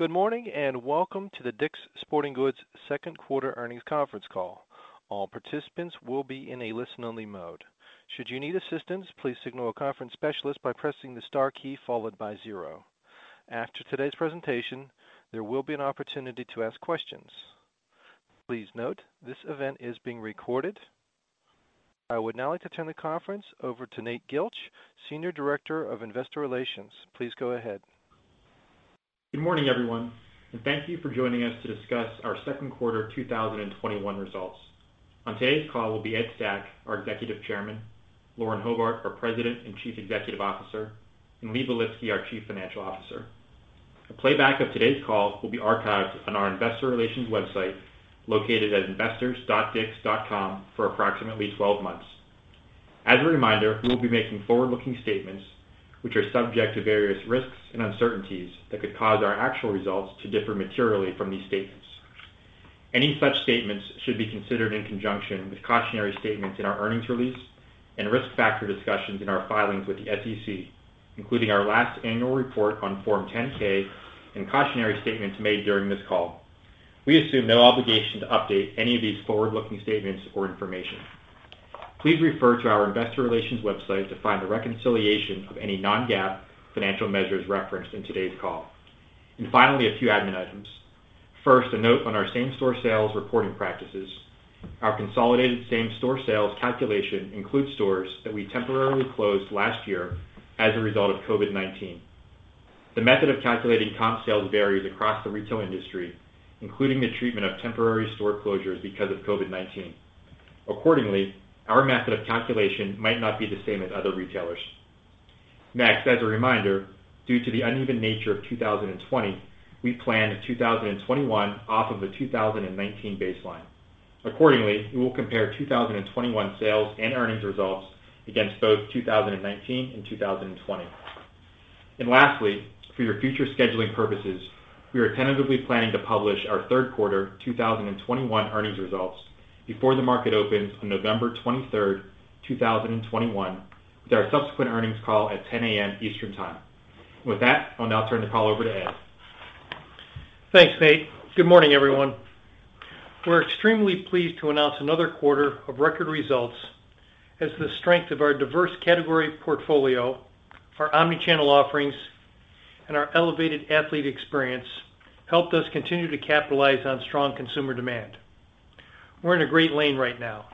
Good morning, and welcome to the DICK'S Sporting Goods second quarter earnings conference call. I would now like to turn the conference over to Nate Gilch, Senior Director of Investor Relations. Please go ahead. Good morning, everyone, and thank you for joining us to discuss our second quarter 2021 results. On today's call will be Ed Stack, our Executive Chairman, Lauren Hobart, our President and Chief Executive Officer, and Lee Belitsky, our Chief Financial Officer. A playback of today's call will be archived on our investor relations website, located at investors.dicks.com for approximately 12 months. As a reminder, we will be making forward-looking statements, which are subject to various risks and uncertainties that could cause our actual results to differ materially from these statements. Any such statements should be considered in conjunction with cautionary statements in our earnings release and risk factor discussions in our filings with the SEC, including our last annual report on Form 10-K and cautionary statements made during this call. We assume no obligation to update any of these forward-looking statements or information. Please refer to our investor relations website to find a reconciliation of any non-GAAP financial measures referenced in today's call. Finally, a few admin items. First, a note on our same-store sales reporting practices. Our consolidated same-store sales calculation includes stores that we temporarily closed last year as a result of COVID-19. The method of calculating comp sales varies across the retail industry, including the treatment of temporary store closures because of COVID-19. Accordingly, our method of calculation might not be the same as other retailers. As a reminder, due to the uneven nature of 2020, we planned 2021 off of a 2019 baseline. Accordingly, we will compare 2021 sales and earnings results against both 2019 and 2020. Lastly, for your future scheduling purposes, we are tentatively planning to publish our third quarter 2021 earnings results before the market opens on November 23rd, 2021, with our subsequent earnings call at 10:00 A.M. Eastern Time. With that, I'll now turn the call over to Ed. Thanks, Nate. Good morning, everyone. We're extremely pleased to announce another quarter of record results as the strength of our diverse category portfolio, our omni-channel offerings, and our elevated athlete experience helped us continue to capitalize on strong consumer demand. We're in a great lane right now,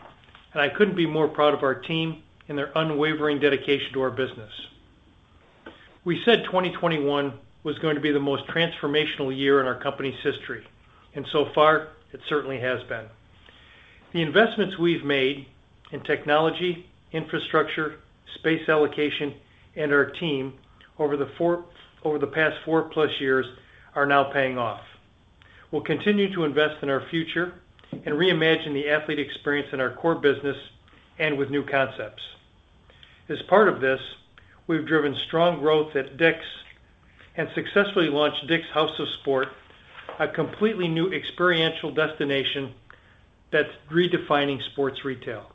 and I couldn't be more proud of our team and their unwavering dedication to our business. We said 2021 was going to be the most transformational year in our company's history, and so far, it certainly has been. The investments we've made in technology, infrastructure, space allocation, and our team over the past four plus years are now paying off. We'll continue to invest in our future and reimagine the athlete experience in our core business and with new concepts. As part of this, we've driven strong growth at DICK'S and successfully launched DICK'S House of Sport, a completely new experiential destination that's redefining sports retail.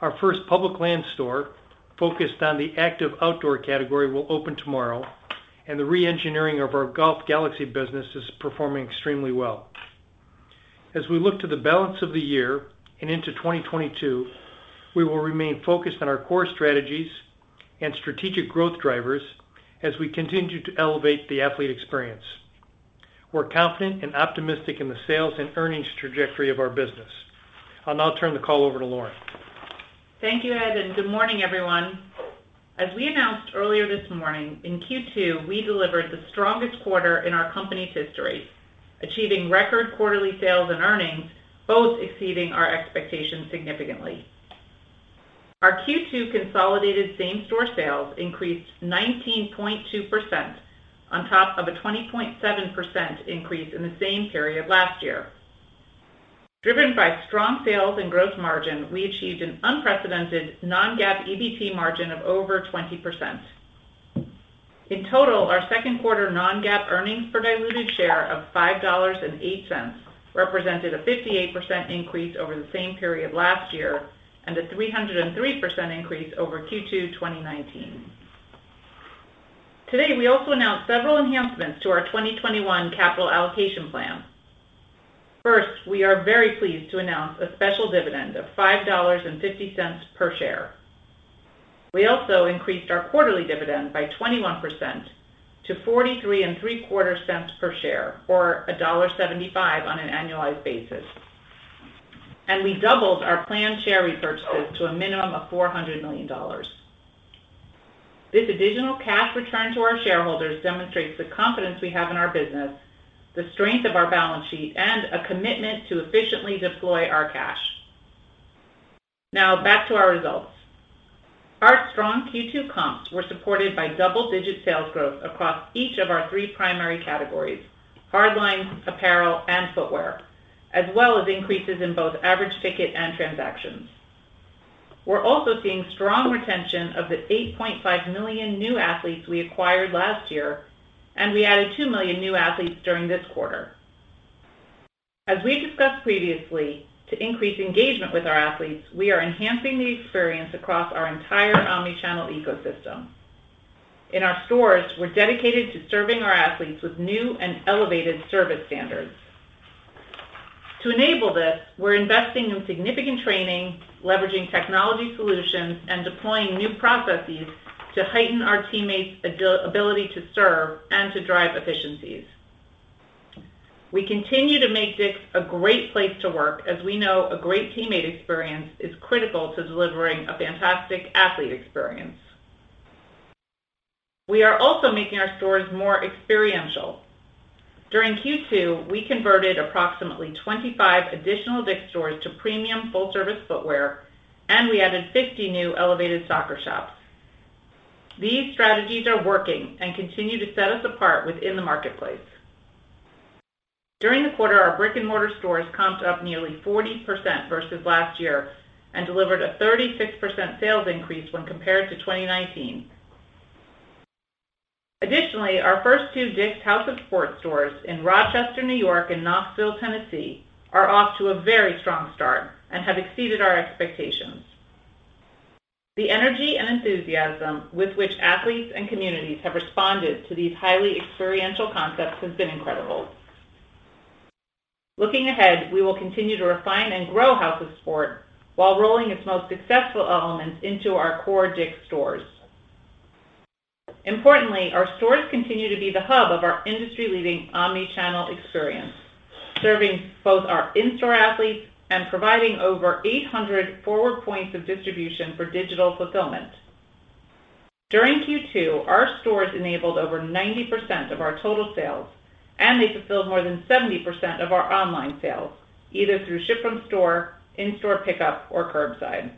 Our first Public Lands store focused on the active outdoor category will open tomorrow, and the re-engineering of our Golf Galaxy business is performing extremely well. As we look to the balance of the year and into 2022, we will remain focused on our core strategies and strategic growth drivers as we continue to elevate the athlete experience. We're confident and optimistic in the sales and earnings trajectory of our business. I'll now turn the call over to Lauren. Thank you, Ed, and good morning, everyone. As we announced earlier this morning, in Q2, we delivered the strongest quarter in our company's history, achieving record quarterly sales and earnings, both exceeding our expectations significantly. Our Q2 consolidated same-store sales increased 19.2% on top of a 20.7% increase in the same period last year. Driven by strong sales and gross margin, we achieved an unprecedented non-GAAP EBT margin of over 20%. In total, our second quarter non-GAAP earnings per diluted share of $5.08 represented a 58% increase over the same period last year and a 303% increase over Q2 2019. Today, we also announced several enhancements to our 2021 capital allocation plan. First, we are very pleased to announce a special dividend of $5.50 per share. We also increased our quarterly dividend by 21% to $0.4375 per share or $1.75 on an annualized basis. We doubled our planned share repurchases to a minimum of $400 million. This additional cash return to our shareholders demonstrates the confidence we have in our business, the strength of our balance sheet, and a commitment to efficiently deploy our cash. Back to our results. Our strong Q2 comps were supported by double-digit sales growth across each of our three primary categories, hardlines, apparel, and footwear, as well as increases in both average ticket and transactions. We're also seeing strong retention of the 8.5 million new athletes we acquired last year, and we added two million new athletes during this quarter. As we discussed previously, to increase engagement with our athletes, we are enhancing the experience across our entire omni-channel ecosystem. In our stores, we're dedicated to serving our athletes with new and elevated service standards. To enable this, we're investing in significant training, leveraging technology solutions, and deploying new processes to heighten our teammates' ability to serve and to drive efficiencies. We continue to make DICK'S a great place to work, as we know a great teammate experience is critical to delivering a fantastic athlete experience. We are also making our stores more experiential. During Q2, we converted approximately 25 additional DICK'S stores to premium full-service footwear, and we added 50 new elevated soccer shops. These strategies are working and continue to set us apart within the marketplace. During the quarter, our brick-and-mortar stores comped up nearly 40% versus last year and delivered a 36% sales increase when compared to 2019. Additionally, our first two DICK'S House of Sport stores in Rochester, N.Y. and Knoxville, Tennessee are off to a very strong start and have exceeded our expectations. The energy and enthusiasm with which athletes and communities have responded to these highly experiential concepts has been incredible. Looking ahead, we will continue to refine and grow House of Sport while rolling its most successful elements into our core DICK'S stores. Importantly, our stores continue to be the hub of our industry-leading omnichannel experience, serving both our in-store athletes and providing over 800 forward points of distribution for digital fulfillment. During Q2, our stores enabled over 90% of our total sales, and they fulfilled more than 70% of our online sales, either through ship from store, in-store pickup, or curbside.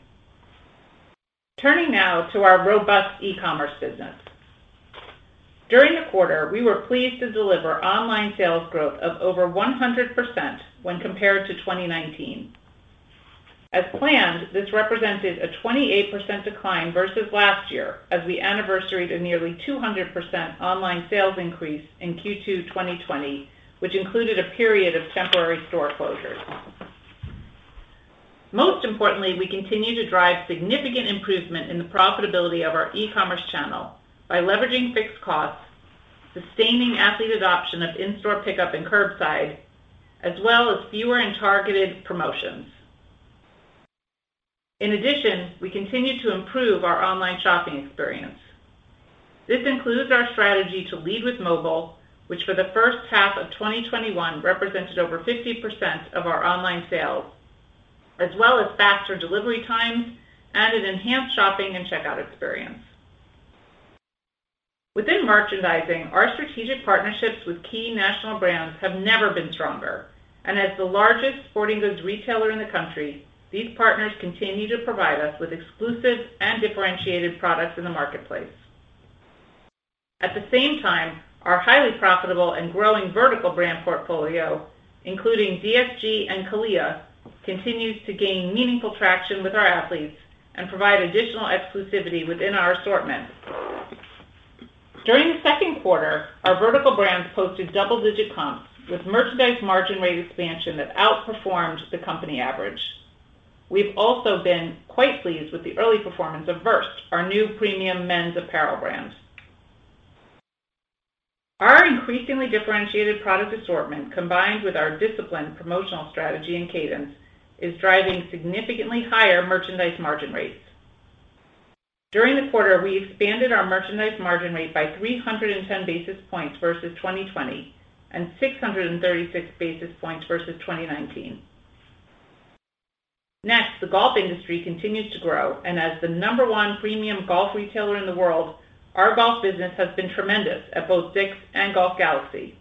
Turning now to our robust e-commerce business. During the quarter, we were pleased to deliver online sales growth of over 100% when compared to 2019. As planned, this represented a 28% decline versus last year as we anniversaried a nearly 200% online sales increase in Q2 2020, which included a period of temporary store closures. Most importantly, we continue to drive significant improvement in the profitability of our e-commerce channel by leveraging fixed costs, sustaining athlete adoption of in-store pickup and curbside, as well as fewer and targeted promotions. In addition, we continue to improve our online shopping experience. This includes our strategy to lead with mobile, which for the first half of 2021 represented over 50% of our online sales, as well as faster delivery times and an enhanced shopping and checkout experience. Within merchandising, our strategic partnerships with key national brands have never been stronger. As the largest sporting goods retailer in the country, these partners continue to provide us with exclusive and differentiated products in the marketplace. At the same time, our highly profitable and growing vertical brand portfolio, including DSG and CALIA, continues to gain meaningful traction with our athletes and provide additional exclusivity within our assortment. During the second quarter, our vertical brands posted double-digit comps with merchandise margin rate expansion that outperformed the company average. We've also been quite pleased with the early performance of VRST, our new premium men's apparel brand. Our increasingly differentiated product assortment, combined with our disciplined promotional strategy and cadence, is driving significantly higher merchandise margin rates. During the quarter, we expanded our merchandise margin rate by 310 basis points versus 2020 and 636 basis points versus 2019. The golf industry continues to grow, and as the number one premium golf retailer in the world, our golf business has been tremendous at both DICK'S and Golf Galaxy.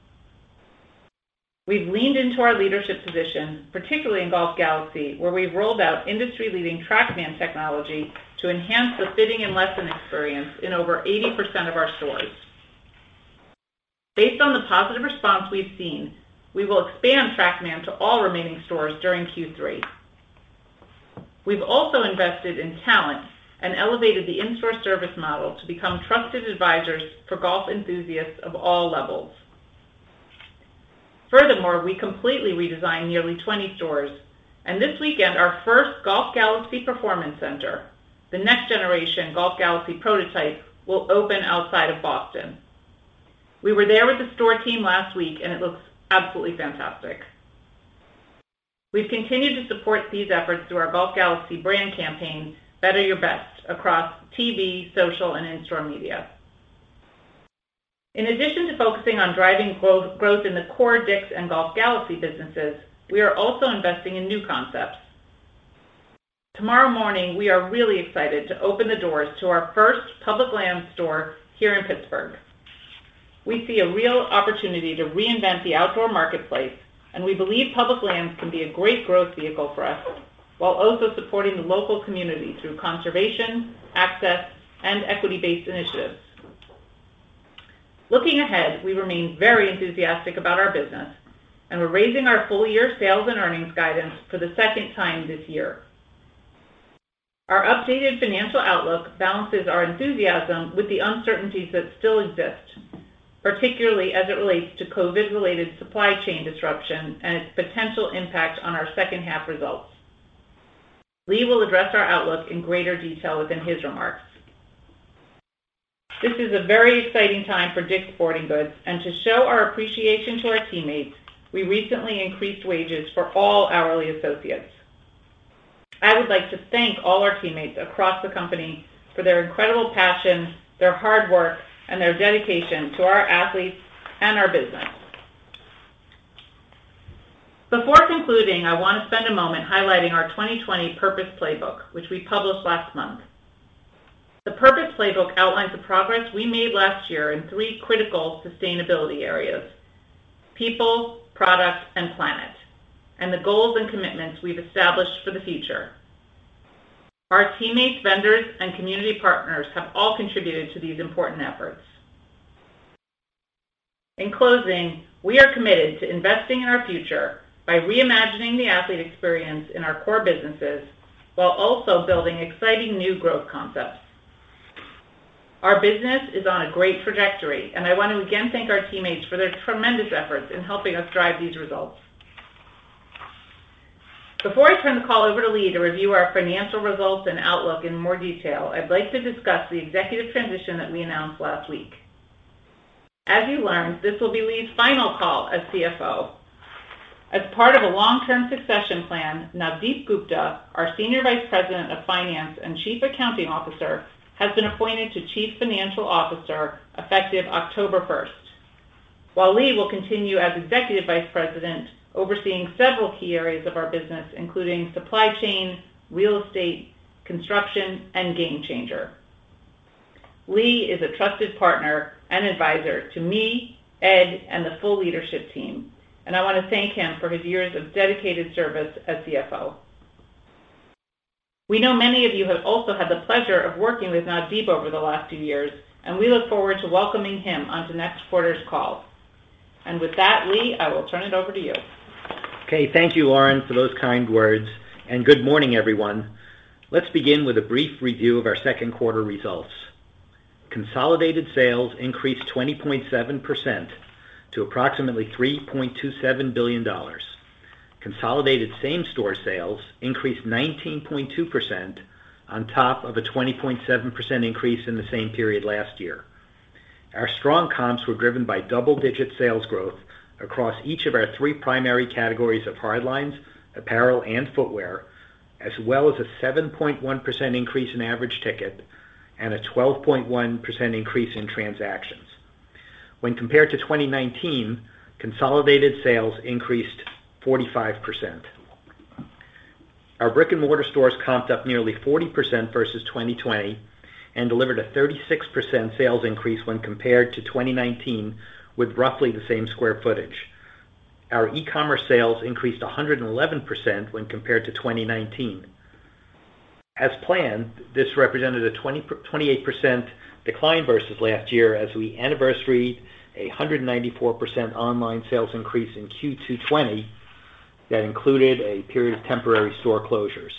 We've leaned into our leadership position, particularly in Golf Galaxy, where we've rolled out industry-leading TrackMan technology to enhance the fitting and lesson experience in over 80% of our stores. Based on the positive response we've seen, we will expand TrackMan to all remaining stores during Q3. We've also invested in talent and elevated the in-store service model to become trusted advisors for golf enthusiasts of all levels. Furthermore, we completely redesigned nearly 20 stores, and this weekend, our first Golf Galaxy Performance Center, the next-generation Golf Galaxy prototype, will open outside of Boston. We were there with the store team last week, and it looks absolutely fantastic. We've continued to support these efforts through our Golf Galaxy brand campaign, Better Your Best, across TV, social, and in-store media. In addition to focusing on driving growth in the core DICK'S and Golf Galaxy businesses, we are also investing in new concepts. Tomorrow morning, we are really excited to open the doors to our first Public Lands store here in Pittsburgh. We see a real opportunity to reinvent the outdoor marketplace, and we believe Public Lands can be a great growth vehicle for us while also supporting the local community through conservation, access, and equity-based initiatives. Looking ahead, we remain very enthusiastic about our business, and we're raising our full-year sales and earnings guidance for the second time this year. Our updated financial outlook balances our enthusiasm with the uncertainties that still exist, particularly as it relates to COVID-related supply chain disruption and its potential impact on our second half results. Lee will address our outlook in greater detail within his remarks. This is a very exciting time for DICK'S Sporting Goods, and to show our appreciation to our teammates, we recently increased wages for all hourly associates. I would like to thank all our teammates across the company for their incredible passion, their hard work, and their dedication to our athletes and our business. Before concluding, I want to spend a moment highlighting our 2020 Purpose Playbook, which we published last month. The Purpose Playbook outlines the progress we made last year in three critical sustainability areas: people, product, and planet, and the goals and commitments we've established for the future. Our teammates, vendors, and community partners have all contributed to these important efforts. In closing, we are committed to investing in our future by reimagining the athlete experience in our core businesses, while also building exciting new growth concepts. Our business is on a great trajectory, and I want to again thank our teammates for their tremendous efforts in helping us drive these results. Before I turn the call over to Lee to review our financial results and outlook in more detail, I'd like to discuss the executive transition that we announced last week. As you learned, this will be Lee's final call as CFO. As part of a long-term succession plan, Navdeep Gupta, our Senior Vice President of Finance and Chief Accounting Officer, has been appointed to Chief Financial Officer effective October 1st. While Lee will continue as Executive Vice President, overseeing several key areas of our business, including supply chain, real estate, construction, and GameChanger. Lee is a trusted partner and advisor to me, Ed, and the full leadership team, and I want to thank him for his years of dedicated service as CFO. We know many of you have also had the pleasure of working with Navdeep over the last few years, and we look forward to welcoming him onto next quarter's call. With that, Lee, I will turn it over to you. Thank you, Lauren, for those kind words. Good morning, everyone. Let's begin with a brief review of our second quarter results. Consolidated sales increased 20.7% to approximately $3.27 billion. Consolidated same-store sales increased 19.2% on top of a 20.7% increase in the same period last year. Our strong comps were driven by double-digit sales growth across each of our three primary categories of hard lines, apparel, and footwear, as well as a 7.1% increase in average ticket and a 12.1% increase in transactions. When compared to 2019, consolidated sales increased 45%. Our brick-and-mortar stores comped up nearly 40% versus 2020 and delivered a 36% sales increase when compared to 2019 with roughly the same square footage. Our e-commerce sales increased 111% when compared to 2019. As planned, this represented a 28% decline versus last year as we anniversaried a 194% online sales increase in Q2 2020 that included a period of temporary store closures.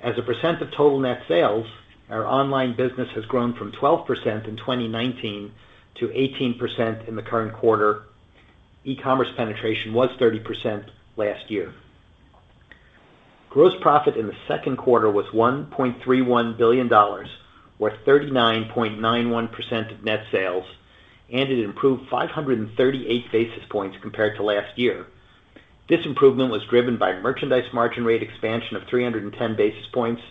As a percent of total net sales, our online business has grown from 12% in 2019 to 18% in the current quarter. E-commerce penetration was 30% last year. Gross profit in the second quarter was $1.31 billion or 39.91% of net sales, and it improved 538 basis points compared to last year. This improvement was driven by merchandise margin rate expansion of 310 basis points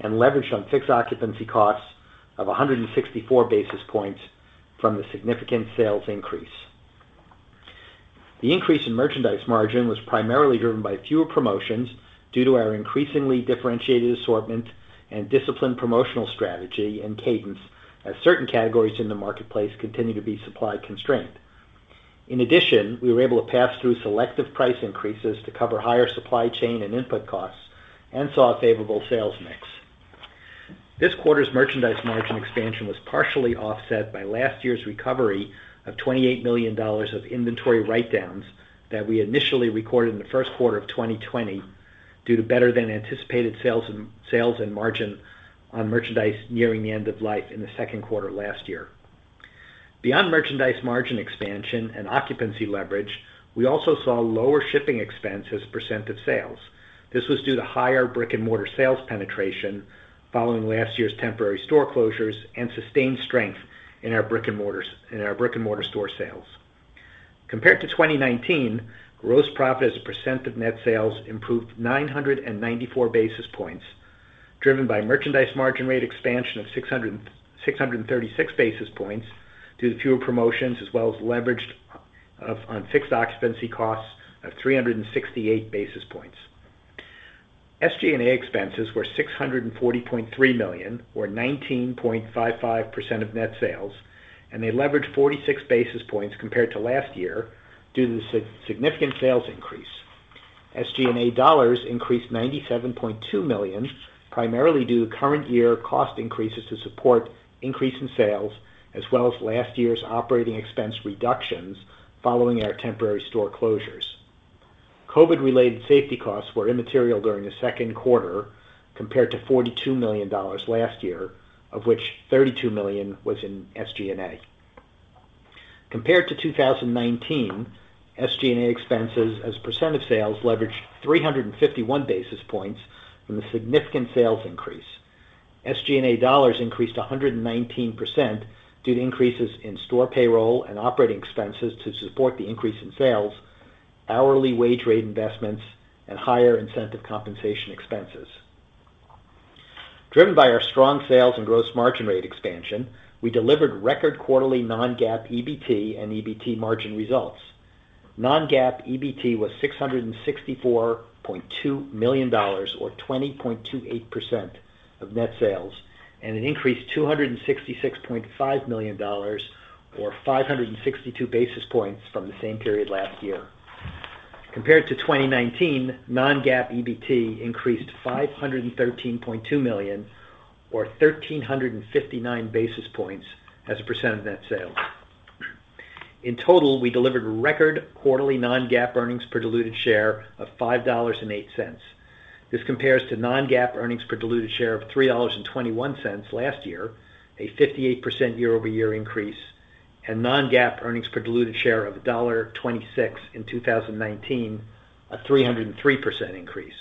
and leverage on fixed occupancy costs of 164 basis points from the significant sales increase. The increase in merchandise margin was primarily driven by fewer promotions due to our increasingly differentiated assortment and disciplined promotional strategy and cadence as certain categories in the marketplace continue to be supply constrained. In addition, we were able to pass through selective price increases to cover higher supply chain and input costs and saw a favorable sales mix. This quarter's merchandise margin expansion was partially offset by last year's recovery of $28 million of inventory write-downs that we initially recorded in the first quarter of 2020 due to better than anticipated sales and margin on merchandise nearing the end of life in the second quarter last year. Beyond merchandise margin expansion and occupancy leverage, we also saw lower shipping expense as a percent of sales. This was due to higher brick-and-mortar sales penetration following last year's temporary store closures and sustained strength in our brick-and-mortar store sales. Compared to 2019, gross profit as a percent of net sales improved 994 basis points, driven by merchandise margin rate expansion of 636 basis points due to fewer promotions as well as leveraged on fixed occupancy costs of 368 basis points. SG&A expenses were $640.3 million, or 19.55% of net sales, and they leveraged 46 basis points compared to last year due to the significant sales increase. SG&A dollars increased $97.2 million, primarily due to current year cost increases to support increase in sales as well as last year's operating expense reductions following our temporary store closures. COVID-related safety costs were immaterial during the second quarter compared to $42 million last year, of which $32 million was in SG&A. Compared to 2019, SG&A expenses as a % of sales leveraged 351 basis points from the significant sales increase. SG&A dollars increased 119% due to increases in store payroll and operating expenses to support the increase in sales, hourly wage rate investments, and higher incentive compensation expenses. Driven by our strong sales and gross margin rate expansion, we delivered record quarterly non-GAAP EBT and EBT margin results. Non-GAAP EBT was $664.2 million, or 20.28% of net sales, and an increase of $266.5 million, or 562 basis points from the same period last year. Compared to 2019, non-GAAP EBT increased to $513.2 million or 1,359 basis points as a % of net sales. In total, we delivered record quarterly non-GAAP earnings per diluted share of $5.08. This compares to non-GAAP earnings per diluted share of $3.21 last year, a 58% year-over-year increase, and non-GAAP earnings per diluted share of $1.26 in 2019, a 303% increase.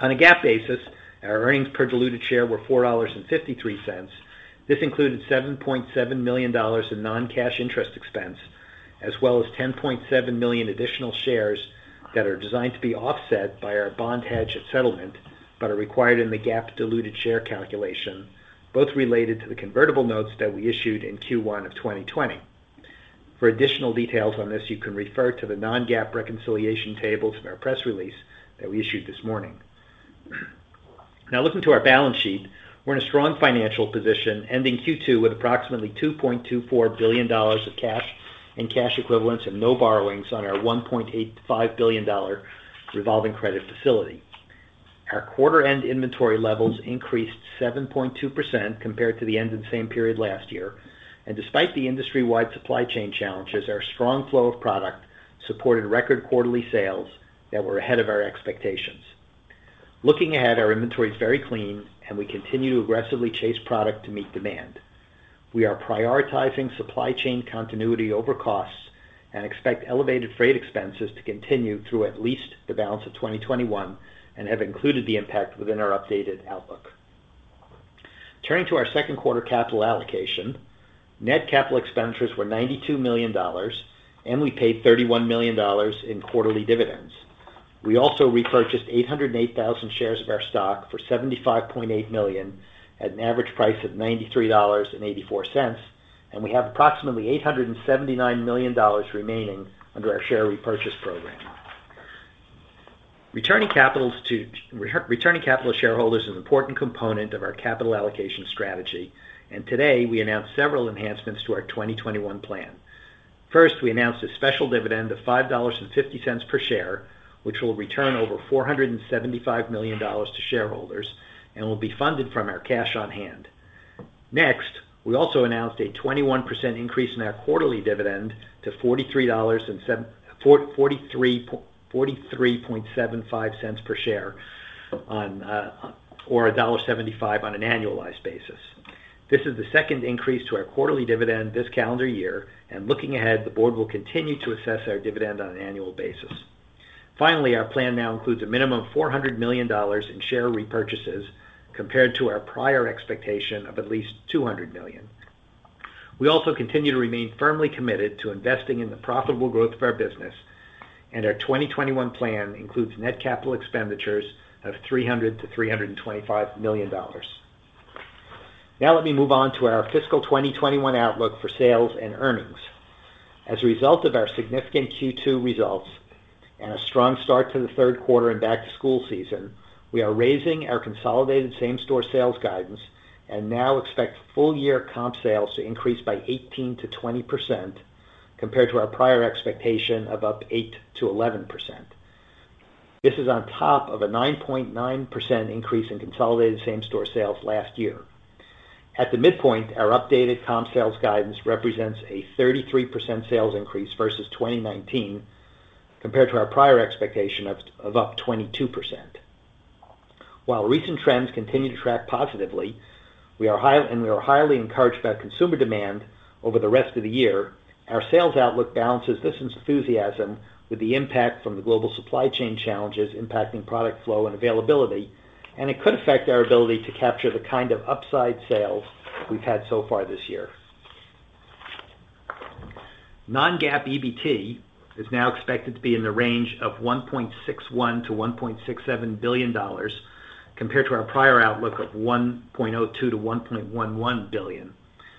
On a GAAP basis, our earnings per diluted share were $4.53. This included $7.7 million in non-cash interest expense, as well as 10.7 million additional shares that are designed to be offset by our bond hedge at settlement, but are required in the GAAP diluted share calculation, both related to the convertible notes that we issued in Q1 of 2020. For additional details on this, you can refer to the non-GAAP reconciliation tables in our press release that we issued this morning. Now looking to our balance sheet, we're in a strong financial position, ending Q2 with approximately $2.24 billion of cash and cash equivalents and no borrowings on our $1.85 billion revolving credit facility. Our quarter-end inventory levels increased 7.2% compared to the end of the same period last year. Despite the industry-wide supply chain challenges, our strong flow of product supported record quarterly sales that were ahead of our expectations. Looking ahead, our inventory is very clean, and we continue to aggressively chase product to meet demand. We are prioritizing supply chain continuity over costs and expect elevated freight expenses to continue through at least the balance of 2021 and have included the impact within our updated outlook. Turning to our second quarter capital allocation, net capital expenditures were $92 million, and we paid $31 million in quarterly dividends. We also repurchased 808,000 shares of our stock for $75.8 million at an average price of $93.84. We have approximately $879 million remaining under our share repurchase program. Returning capital to shareholders is an important component of our capital allocation strategy, and today we announced several enhancements to our 2021 plan. First, we announced a special dividend of $5.50 per share, which will return over $475 million to shareholders and will be funded from our cash on hand. Next, we also announced a 21% increase in our quarterly dividend to $43.75 per share or $1.75 on an annualized basis. This is the second increase to our quarterly dividend this calendar year, and looking ahead, the board will continue to assess our dividend on an annual basis. Finally, our plan now includes a minimum of $400 million in share repurchases compared to our prior expectation of at least $200 million. We also continue to remain firmly committed to investing in the profitable growth of our business, and our 2021 plan includes net capital expenditures of $300 million-$325 million. Let me move on to our fiscal 2021 outlook for sales and earnings. As a result of our significant Q2 results and a strong start to the third quarter and back-to-school season, we are raising our consolidated same-store sales guidance and now expect full-year comp sales to increase by 18%-20%, compared to our prior expectation of up 8%-11%. This is on top of a 9.9% increase in consolidated same-store sales last year. At the midpoint, our updated comp sales guidance represents a 33% sales increase versus 2019 compared to our prior expectation of up 22%. While recent trends continue to track positively, and we are highly encouraged by consumer demand over the rest of the year, our sales outlook balances this enthusiasm with the impact from the global supply chain challenges impacting product flow and availability, and it could affect our ability to capture the kind of upside sales we've had so far this year. Non-GAAP EBT is now expected to be in the range of $1.61 billion-$1.67 billion, compared to our prior outlook of $1.02 billion-$1.11 billion,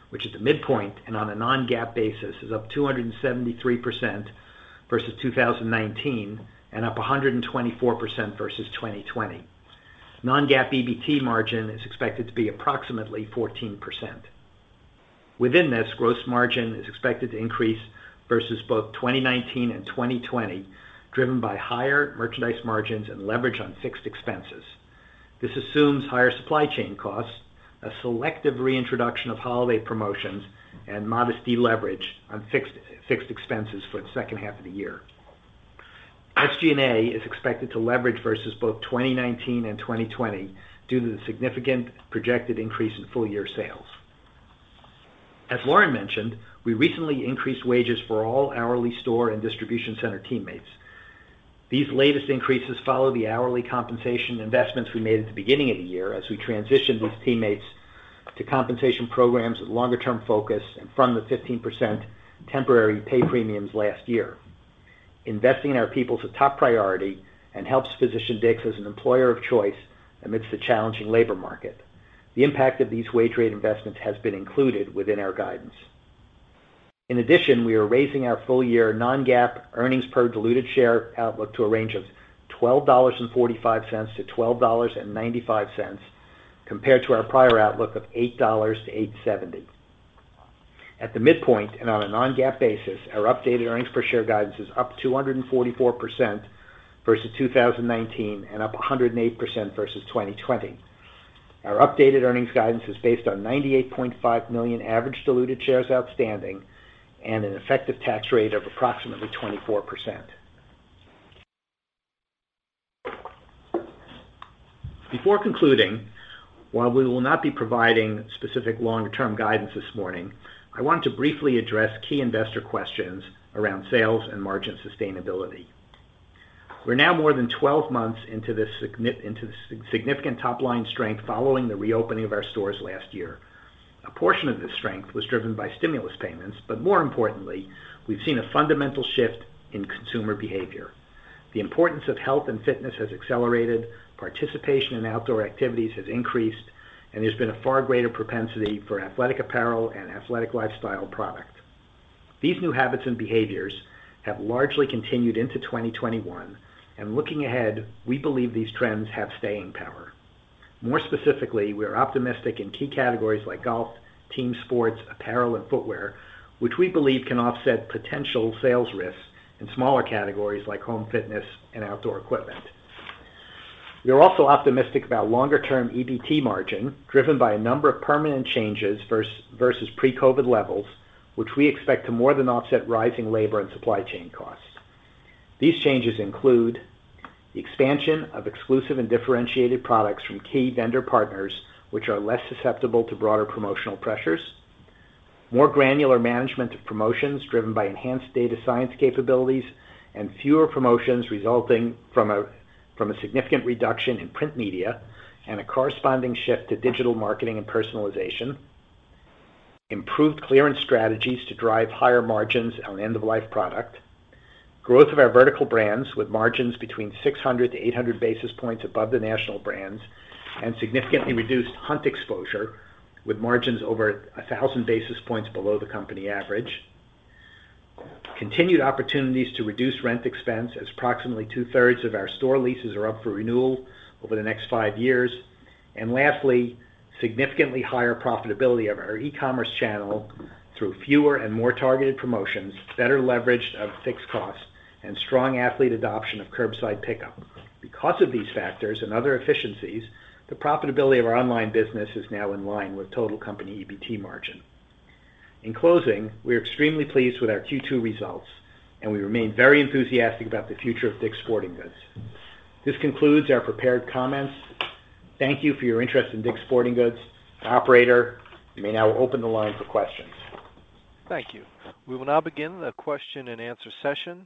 which at the midpoint, and on a non-GAAP basis, is up 273% versus 2019 and up 124% versus 2020. Non-GAAP EBT margin is expected to be approximately 14%. Within this, gross margin is expected to increase versus both 2019 and 2020, driven by higher merchandise margins and leverage on fixed expenses. This assumes higher supply chain costs, a selective reintroduction of holiday promotions, and modest deleverage on fixed expenses for the second half of the year. SG&A is expected to leverage versus both 2019 and 2020 due to the significant projected increase in full-year sales. As Lauren mentioned, we recently increased wages for all hourly store and distribution center teammates. These latest increases follow the hourly compensation investments we made at the beginning of the year, as we transitioned these teammates to compensation programs with longer-term focus and from the 15% temporary pay premiums last year. Investing in our people is a top priority and helps position DICK'S as an employer of choice amidst the challenging labor market. The impact of these wage rate investments has been included within our guidance. In addition, we are raising our full-year non-GAAP earnings per diluted share outlook to a range of $12.45-$12.95, compared to our prior outlook of $8.00-$8.70. At the midpoint and on a non-GAAP basis, our updated earnings per share guidance is up 244% versus 2019 and up 108% versus 2020. Our updated earnings guidance is based on 98.5 million average diluted shares outstanding and an effective tax rate of approximately 24%. Before concluding, while we will not be providing specific longer-term guidance this morning, I want to briefly address key investor questions around sales and margin sustainability. We're now more than 12 months into the significant top-line strength following the reopening of our stores last year. A portion of this strength was driven by stimulus payments, but more importantly, we've seen a fundamental shift in consumer behavior. The importance of health and fitness has accelerated, participation in outdoor activities has increased, and there's been a far greater propensity for athletic apparel and athletic lifestyle product. These new habits and behaviors have largely continued into 2021, and looking ahead, we believe these trends have staying power. More specifically, we are optimistic in key categories like golf, team sports, apparel, and footwear, which we believe can offset potential sales risks in smaller categories like home fitness and outdoor equipment. We are also optimistic about longer-term EBT margin, driven by a number of permanent changes versus pre-COVID-19 levels, which we expect to more than offset rising labor and supply chain costs. These changes include the expansion of exclusive and differentiated products from key vendor partners, which are less susceptible to broader promotional pressures. More granular management of promotions driven by enhanced data science capabilities and fewer promotions resulting from a significant reduction in print media and a corresponding shift to digital marketing and personalization. Improved clearance strategies to drive higher margins on end-of-life product. Growth of our vertical brands with margins between 600 to 800 basis points above the national brands, and significantly reduced hunt exposure with margins over 1,000 basis points below the company average. Continued opportunities to reduce rent expense as approximately two-thirds of our store leases are up for renewal over the next five years. Lastly, significantly higher profitability of our e-commerce channel through fewer and more targeted promotions, better leverage of fixed costs, and strong athlete adoption of curbside pickup. Because of these factors and other efficiencies, the profitability of our online business is now in line with total company EBT margin. In closing, we are extremely pleased with our Q2 results, and we remain very enthusiastic about the future of DICK'S Sporting Goods. This concludes our prepared comments. Thank you for your interest in DICK'S Sporting Goods. Operator, you may now open the line for questions. Thank you. We will now begin the question and answer session.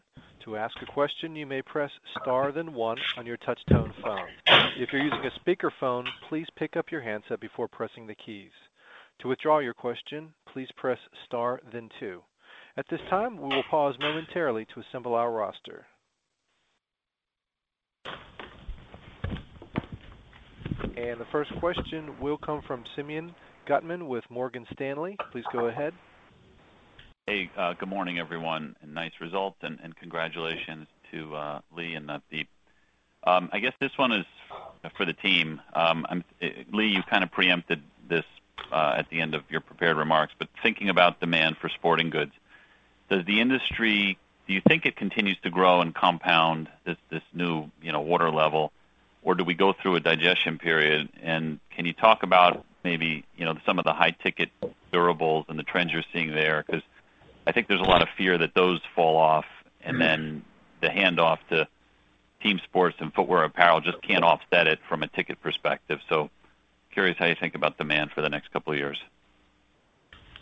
To ask a question, you may press star then one on your touch-tone phone. If you're using a speakerphone, please pick up your handset before pressing the keys. To withdraw your question, please press star then two. At this time, we will pause momentarily to assemble our roster. And the first question will come from Simeon Gutman with Morgan Stanley. Please go ahead. Hey, good morning, everyone, nice results, and congratulations to Lee and Navdeep. I guess this one is for the team. Lee, you kind of preempted this at the end of your prepared remarks, thinking about demand for sporting goods, do you think it continues to grow and compound this new order level, or do we go through a digestion period? Can you talk about maybe some of the high ticket durables and the trends you're seeing there? I think there's a lot of fear that those fall off and then the handoff to team sports and footwear apparel just can't offset it from a ticket perspective. Curious how you think about demand for the next couple of years.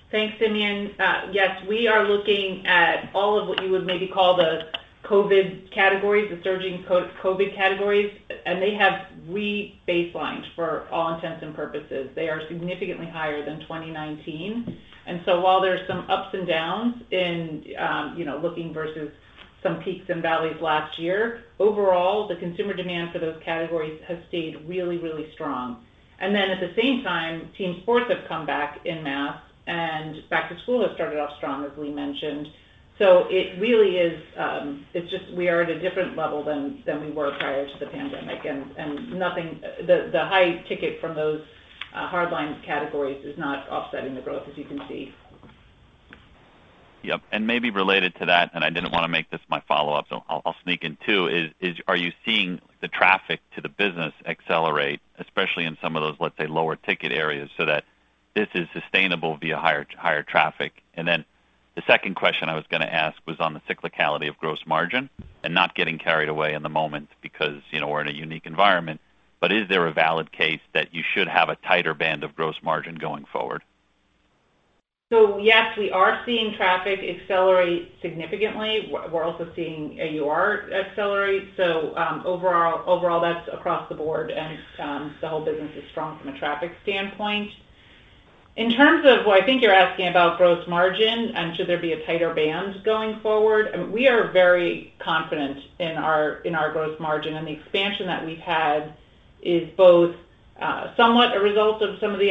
Thanks, Simeon. Yes, we are looking at all of what you would maybe call the COVID categories, the surging COVID categories. They have re-baselined for all intents and purposes. They are significantly higher than 2019. While there's some ups and downs in looking versus some peaks and valleys last year, overall, the consumer demand for those categories has stayed really, really strong. At the same time, team sports have come back en masse and back to school has started off strong, as Lee mentioned. It really is. We are at a different level than we were prior to the pandemic. The high ticket from those hardline categories is not offsetting the growth, as you can see. Yep. Maybe related to that, and I didn't want to make this my follow-up, so I'll sneak in two, is are you seeing the traffic to the business accelerate, especially in some of those, let's say, lower ticket areas, so that this is sustainable via higher traffic? The second question I was going to ask was on the cyclicality of gross margin and not getting carried away in the moment because we're in a unique environment. Is there a valid case that you should have a tighter band of gross margin going forward? Yes, we are seeing traffic accelerate significantly. We're also seeing AUR accelerate, so overall, that's across the board, and the whole business is strong from a traffic standpoint. In terms of, well, I think you're asking about gross margin and should there be a tighter band going forward. We are very confident in our gross margin, and the expansion that we've had is both somewhat a result of some of the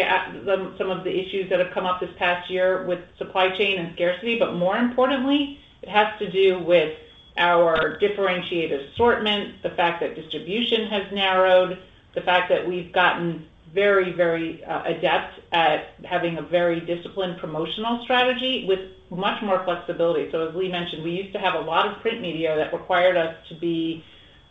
issues that have come up this past year with supply chain and scarcity. More importantly, it has to do with our differentiated assortment, the fact that distribution has narrowed, the fact that we've gotten very adept at having a very disciplined promotional strategy with much more flexibility. As Lee mentioned, we used to have a lot of print media that required us to be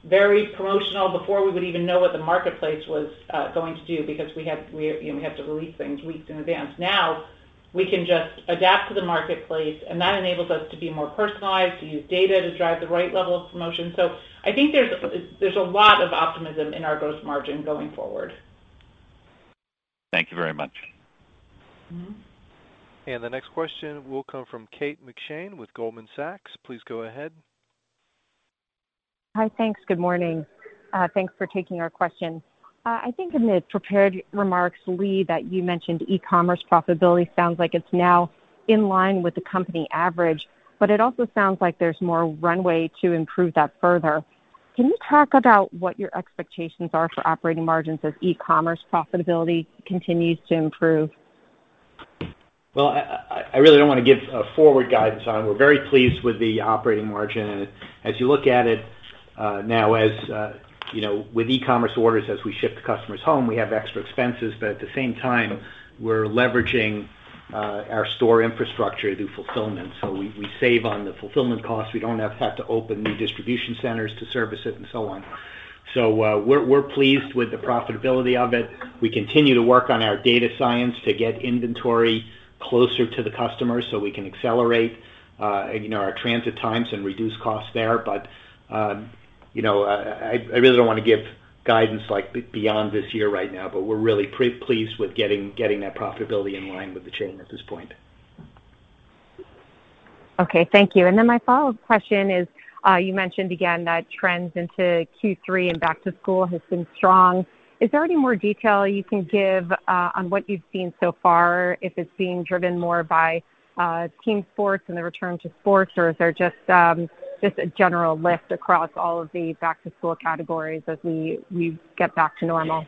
very promotional before we would even know what the marketplace was going to do because we have to release things weeks in advance. Now we can just adapt to the marketplace, and that enables us to be more personalized, to use data to drive the right level of promotion. I think there's a lot of optimism in our gross margin going forward. Thank you very much. The next question will come from Kate McShane with Goldman Sachs. Please go ahead. Hi, thanks. Good morning. Thanks for taking our question. I think in the prepared remarks, Lee, that you mentioned e-commerce profitability sounds like it's now in line with the company average, but it also sounds like there's more runway to improve that further. Can you talk about what your expectations are for operating margins as e-commerce profitability continues to improve? Well, I really don't want to give a forward guidance on it. We're very pleased with the operating margin, and as you look at it now, as with e-commerce orders, as we ship to customers home, we have extra expenses. At the same time, we're leveraging our store infrastructure through fulfillment. We save on the fulfillment costs. We don't have to open new distribution centers to service it and so on. We're pleased with the profitability of it. We continue to work on our data science to get inventory closer to the customer so we can accelerate our transit times and reduce costs there. I really don't want to give guidance beyond this year right now. We're really pretty pleased with getting that profitability in line with the chain at this point. Okay, thank you. My follow-up question is, you mentioned again that trends into Q3 and back to school has been strong. Is there any more detail you can give on what you've seen so far, if it's being driven more by team sports and the return to sports, or is there just a general lift across all of the back-to-school categories as we get back to normal?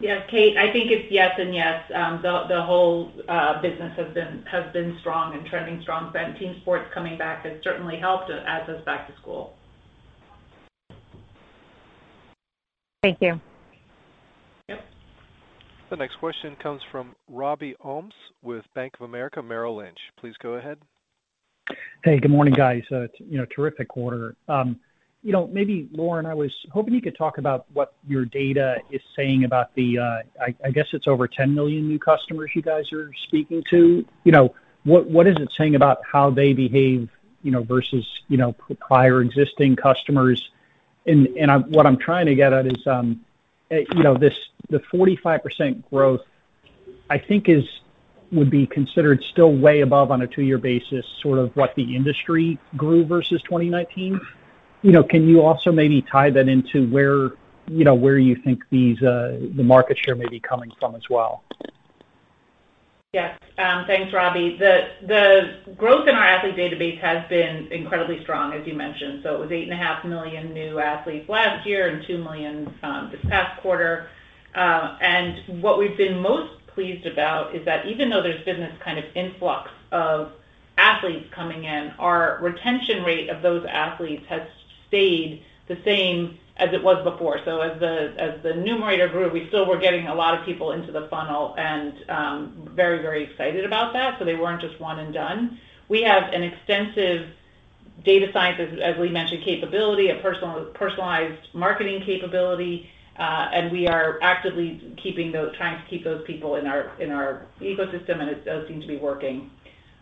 Yeah, Kate, I think it's yes and yes. The whole business has been strong and trending strong. Team sports coming back has certainly helped, as has back to school. Thank you. The next question comes from Robbie Ohmes with Bank of America Merrill Lynch. Please go ahead. Hey, good morning, guys. Terrific quarter. Maybe Lauren, I was hoping you could talk about what your data is saying about the, I guess it's over 10 million new customers you guys are speaking to. What is it saying about how they behave versus prior existing customers? What I'm trying to get at is the 45% growth, I think would be considered still way above on a two-year basis, sort of what the industry grew versus 2019. Can you also maybe tie that into where you think the market share may be coming from as well? Yes. Thanks, Robbie. The growth in our athlete database has been incredibly strong, as you mentioned. It was 8.5 million new athletes last year and two million this past quarter. What we've been most pleased about is that even though there's been this kind of influx of athletes coming in, our retention rate of those athletes has stayed the same as it was before. As the numerator grew, we still were getting a lot of people into the funnel and very excited about that. They weren't just one and done. We have an extensive data science, as we mentioned, capability, a personalized marketing capability. We are actively trying to keep those people in our ecosystem, and it does seem to be working.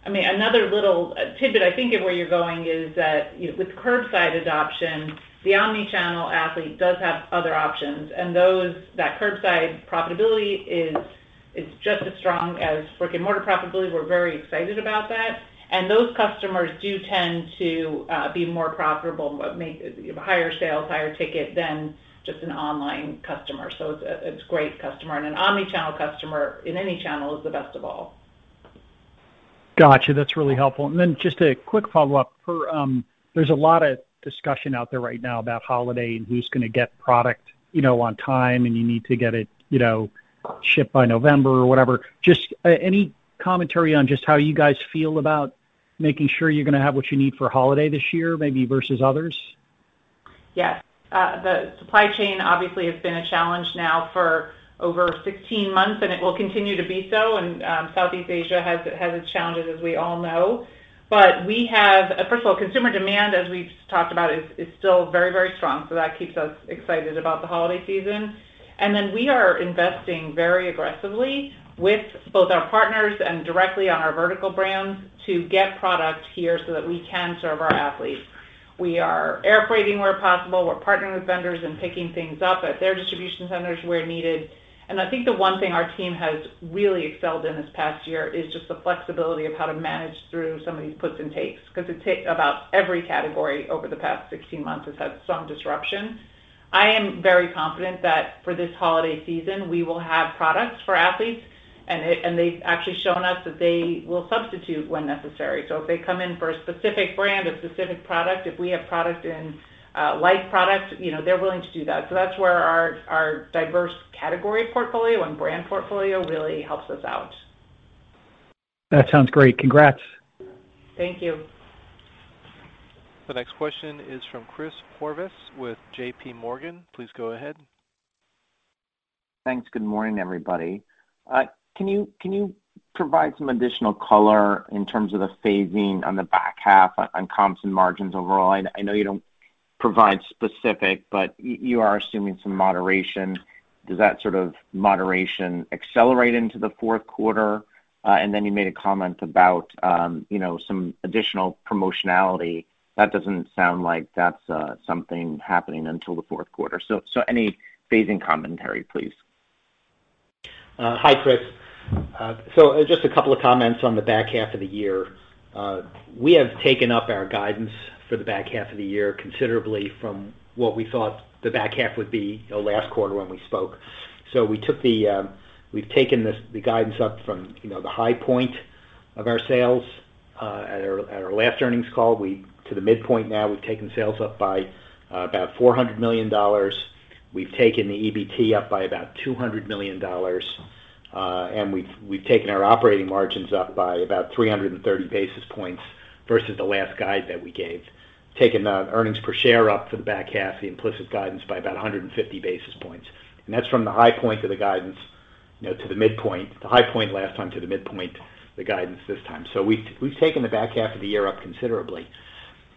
Another little tidbit I think of where you're going is that with curbside adoption, the omni-channel athlete does have other options, and that curbside profitability is just as strong as brick and mortar profitability. We're very excited about that. Those customers do tend to be more profitable, make higher sales, higher ticket than just an online customer. It's a great customer, and an omni-channel customer in any channel is the best of all. Got you. That's really helpful. Just a quick follow-up. There's a lot of discussion out there right now about holiday and who's going to get product on time, and you need to get it shipped by November or whatever. Just any commentary on just how you guys feel about making sure you're going to have what you need for holiday this year, maybe versus others? Yes. The supply chain obviously has been a challenge now for over 16 months, and it will continue to be so, and Southeast Asia has its challenges, as we all know. We have first of all, consumer demand, as we've talked about, is still very strong. That keeps us excited about the holiday season. We are investing very aggressively with both our partners and directly on our vertical brands to get product here so that we can serve our athletes. We are air freighting where possible. We're partnering with vendors and picking things up at their distribution centers where needed. I think the one thing our team has really excelled in this past year is just the flexibility of how to manage through some of these puts and takes, because about every category over the past 16 months has had some disruption. I am very confident that for this holiday season, we will have products for athletes, and they've actually shown us that they will substitute when necessary. If they come in for a specific brand, a specific product, if we have product in like product, they're willing to do that. That's where our diverse category portfolio and brand portfolio really helps us out. That sounds great. Congrats. Thank you. The next question is from Chris Horvers with JPMorgan. Please go ahead. Thanks. Good morning, everybody. Can you provide some additional color in terms of the phasing on the back half on comps and margins overall? I know you don't provide specific, but you are assuming some moderation. Does that sort of moderation accelerate into the fourth quarter? You made a comment about some additional promotionality. That doesn't sound like that's something happening until the fourth quarter. Any phasing commentary, please. Hi, Chris. Just a couple of comments on the back half of the year. We have taken up our guidance for the back half of the year considerably from what we thought the back half would be last quarter when we spoke. We've taken the guidance up from the high point of our sales at our last earnings call to the midpoint now. We've taken sales up by about $400 million. We've taken the EBT up by about $200 million. We've taken our operating margins up by about 330 basis points versus the last guide that we gave. We've taken the earnings per share up for the back half, the implicit guidance, by about 150 basis points. That's from the high point to the guidance to the midpoint, the high point last time to the midpoint the guidance this time. We've taken the back half of the year up considerably.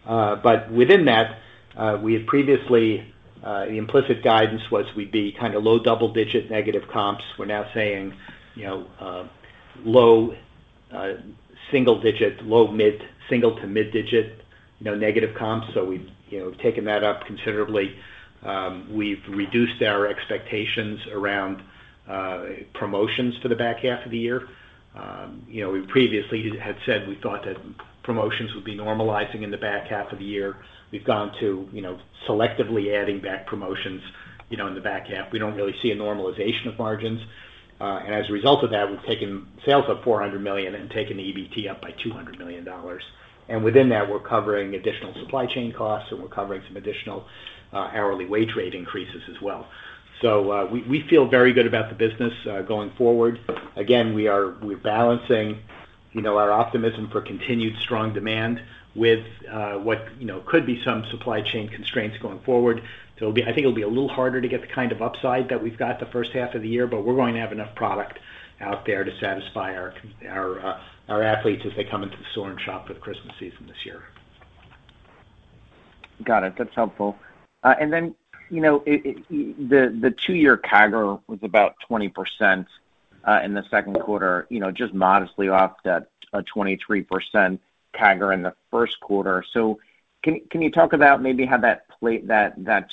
Within that, previously, the implicit guidance was we'd be low double-digit negative comps. We're now saying low single digit, low mid, single to mid digit, negative comps. We've taken that up considerably. We've reduced our expectations around promotions for the back half of the year. We previously had said we thought that promotions would be normalizing in the back half of the year. We've gone to selectively adding back promotions in the back half. We don't really see a normalization of margins. As a result of that, we've taken sales up $400 million and taken the EBT up by $200 million. Within that, we're covering additional supply chain costs, and we're covering some additional hourly wage rate increases as well. We feel very good about the business going forward. Again, we're balancing our optimism for continued strong demand with what could be some supply chain constraints going forward. I think it'll be a little harder to get the kind of upside that we've got the first half of the year, but we're going to have enough product out there to satisfy our athletes as they come into the store and shop for the Christmas season this year. Got it. That's helpful. The two year CAGR was about 20% in the second quarter, just modestly off that 23% CAGR in the first quarter. Can you talk about maybe how that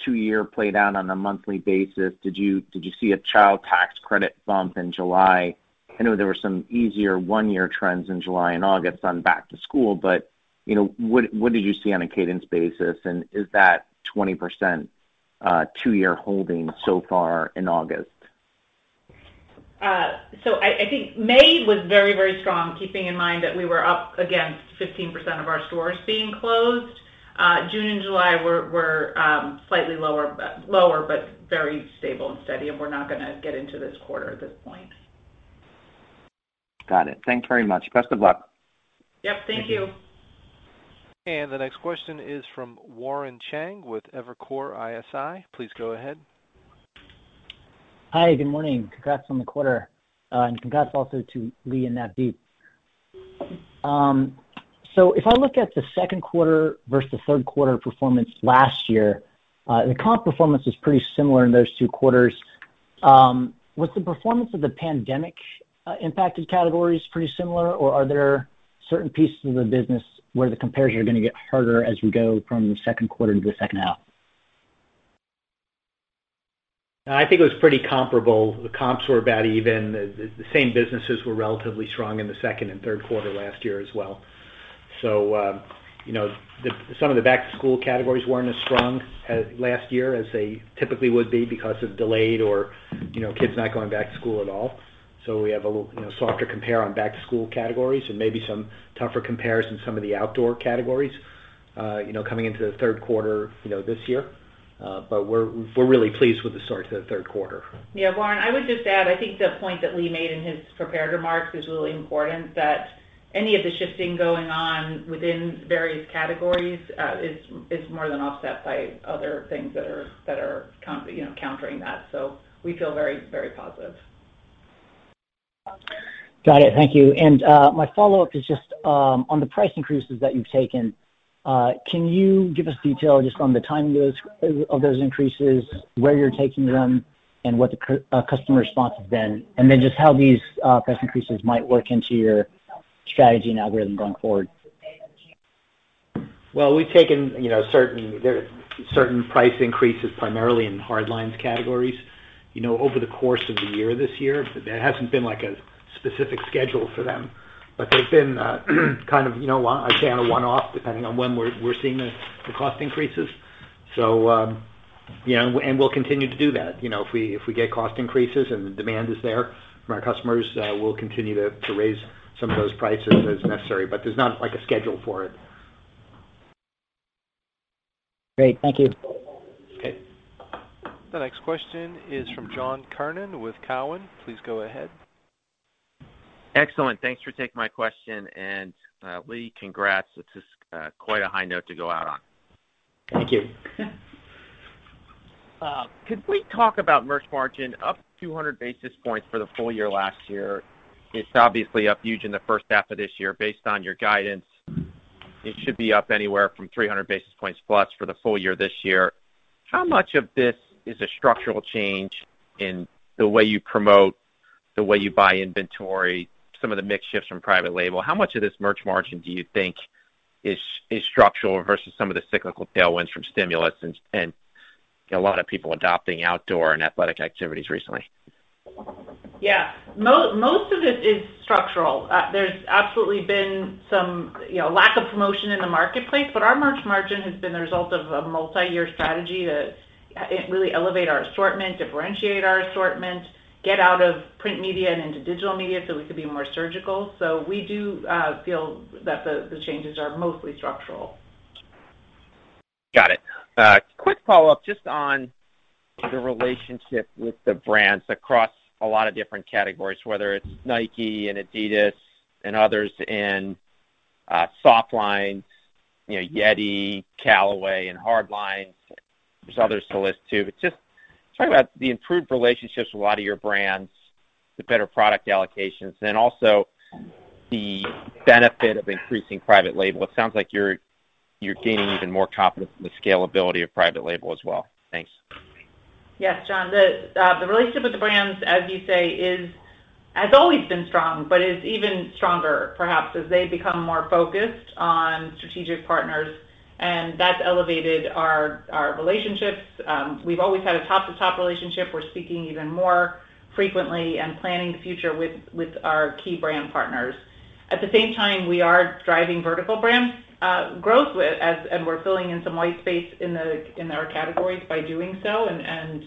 two year played out on a monthly basis? Did you see a child tax credit bump in July? I know there were some easier one-year trends in July and August on back to school, but what did you see on a cadence basis? Is that 20% two year holding so far in August? I think May was very strong, keeping in mind that we were up against 15% of our stores being closed. June and July were slightly lower, but very stable and steady. We're not going to get into this quarter at this point. Got it. Thanks very much. Best of luck. Yep. Thank you. The next question is from Warren Cheng with Evercore ISI. Please go ahead. Hi, good morning. Congrats on the quarter. Congrats also to Lee and Navdeep. If I look at the second quarter versus third quarter performance last year, the comp performance is pretty similar in those two quarters. Was the performance of the pandemic impacted categories pretty similar, or are there certain pieces of the business where the compares are going to get harder as we go from the second quarter into the second half? I think it was pretty comparable. The comps were about even. The same businesses were relatively strong in the second and third quarter last year as well. Some of the back-to-school categories weren't as strong last year as they typically would be because of delayed or kids not going back to school at all. We have a little softer compare on back-to-school categories and maybe some tougher compares in some of the outdoor categories coming into the third quarter this year. We're really pleased with the start to the third quarter. Yeah, Warren, I would just add, I think the point that Lee made in his prepared remarks is really important, that any of the shifting going on within various categories is more than offset by other things that are countering that. We feel very positive. Got it. Thank you. My follow-up is just on the price increases that you've taken. Can you give us detail just on the timing of those increases, where you're taking them, and what the customer response has been? Just how these price increases might work into your strategy and algorithm going forward. Well, we've taken certain price increases primarily in hardlines categories. Over the course of the year this year, there hasn't been a specific schedule for them, but they've been kind of on a one-off, depending on when we're seeing the cost increases. We'll continue to do that. If we get cost increases and the demand is there from our customers, we'll continue to raise some of those prices as necessary. There's not a schedule for it. Great. Thank you. Okay. The next question is from John Kernan with Cowen. Please go ahead. Excellent. Thanks for taking my question. Lee, congrats. It's quite a high note to go out on. Thank you. Could we talk about merch margin up 200 basis points for the full year last year? It's obviously up huge in the first half of this year. Based on your guidance, it should be up anywhere from 300 basis points plus for the full year this year. How much of this is a structural change in the way you promote, the way you buy inventory, some of the mix shifts from private label? How much of this merch margin do you think is structural versus some of the cyclical tailwinds from stimulus and a lot of people adopting outdoor and athletic activities recently? Yeah. Most of it is structural. There's absolutely been some lack of promotion in the marketplace, but our merch margin has been the result of a multi-year strategy to really elevate our assortment, differentiate our assortment, get out of print media and into digital media, so we could be more surgical. We do feel that the changes are mostly structural. Got it. Quick follow-up just on the relationship with the brands across a lot of different categories, whether it's Nike and Adidas and others in softlines, YETI, Callaway in hardlines. There's others to list, too. just talk about the improved relationships with a lot of your brands, the better product allocations, and also the benefit of increasing private label. It sounds like you're gaining even more confidence in the scalability of private label as well. Thanks. Yes, John. The relationship with the brands, as you say, has always been strong, but is even stronger perhaps as they become more focused on strategic partners, and that's elevated our relationships. We've always had a top-to-top relationship. We're speaking even more frequently and planning the future with our key brand partners. At the same time, we are driving vertical brand growth, and we're filling in some white space in our categories by doing so and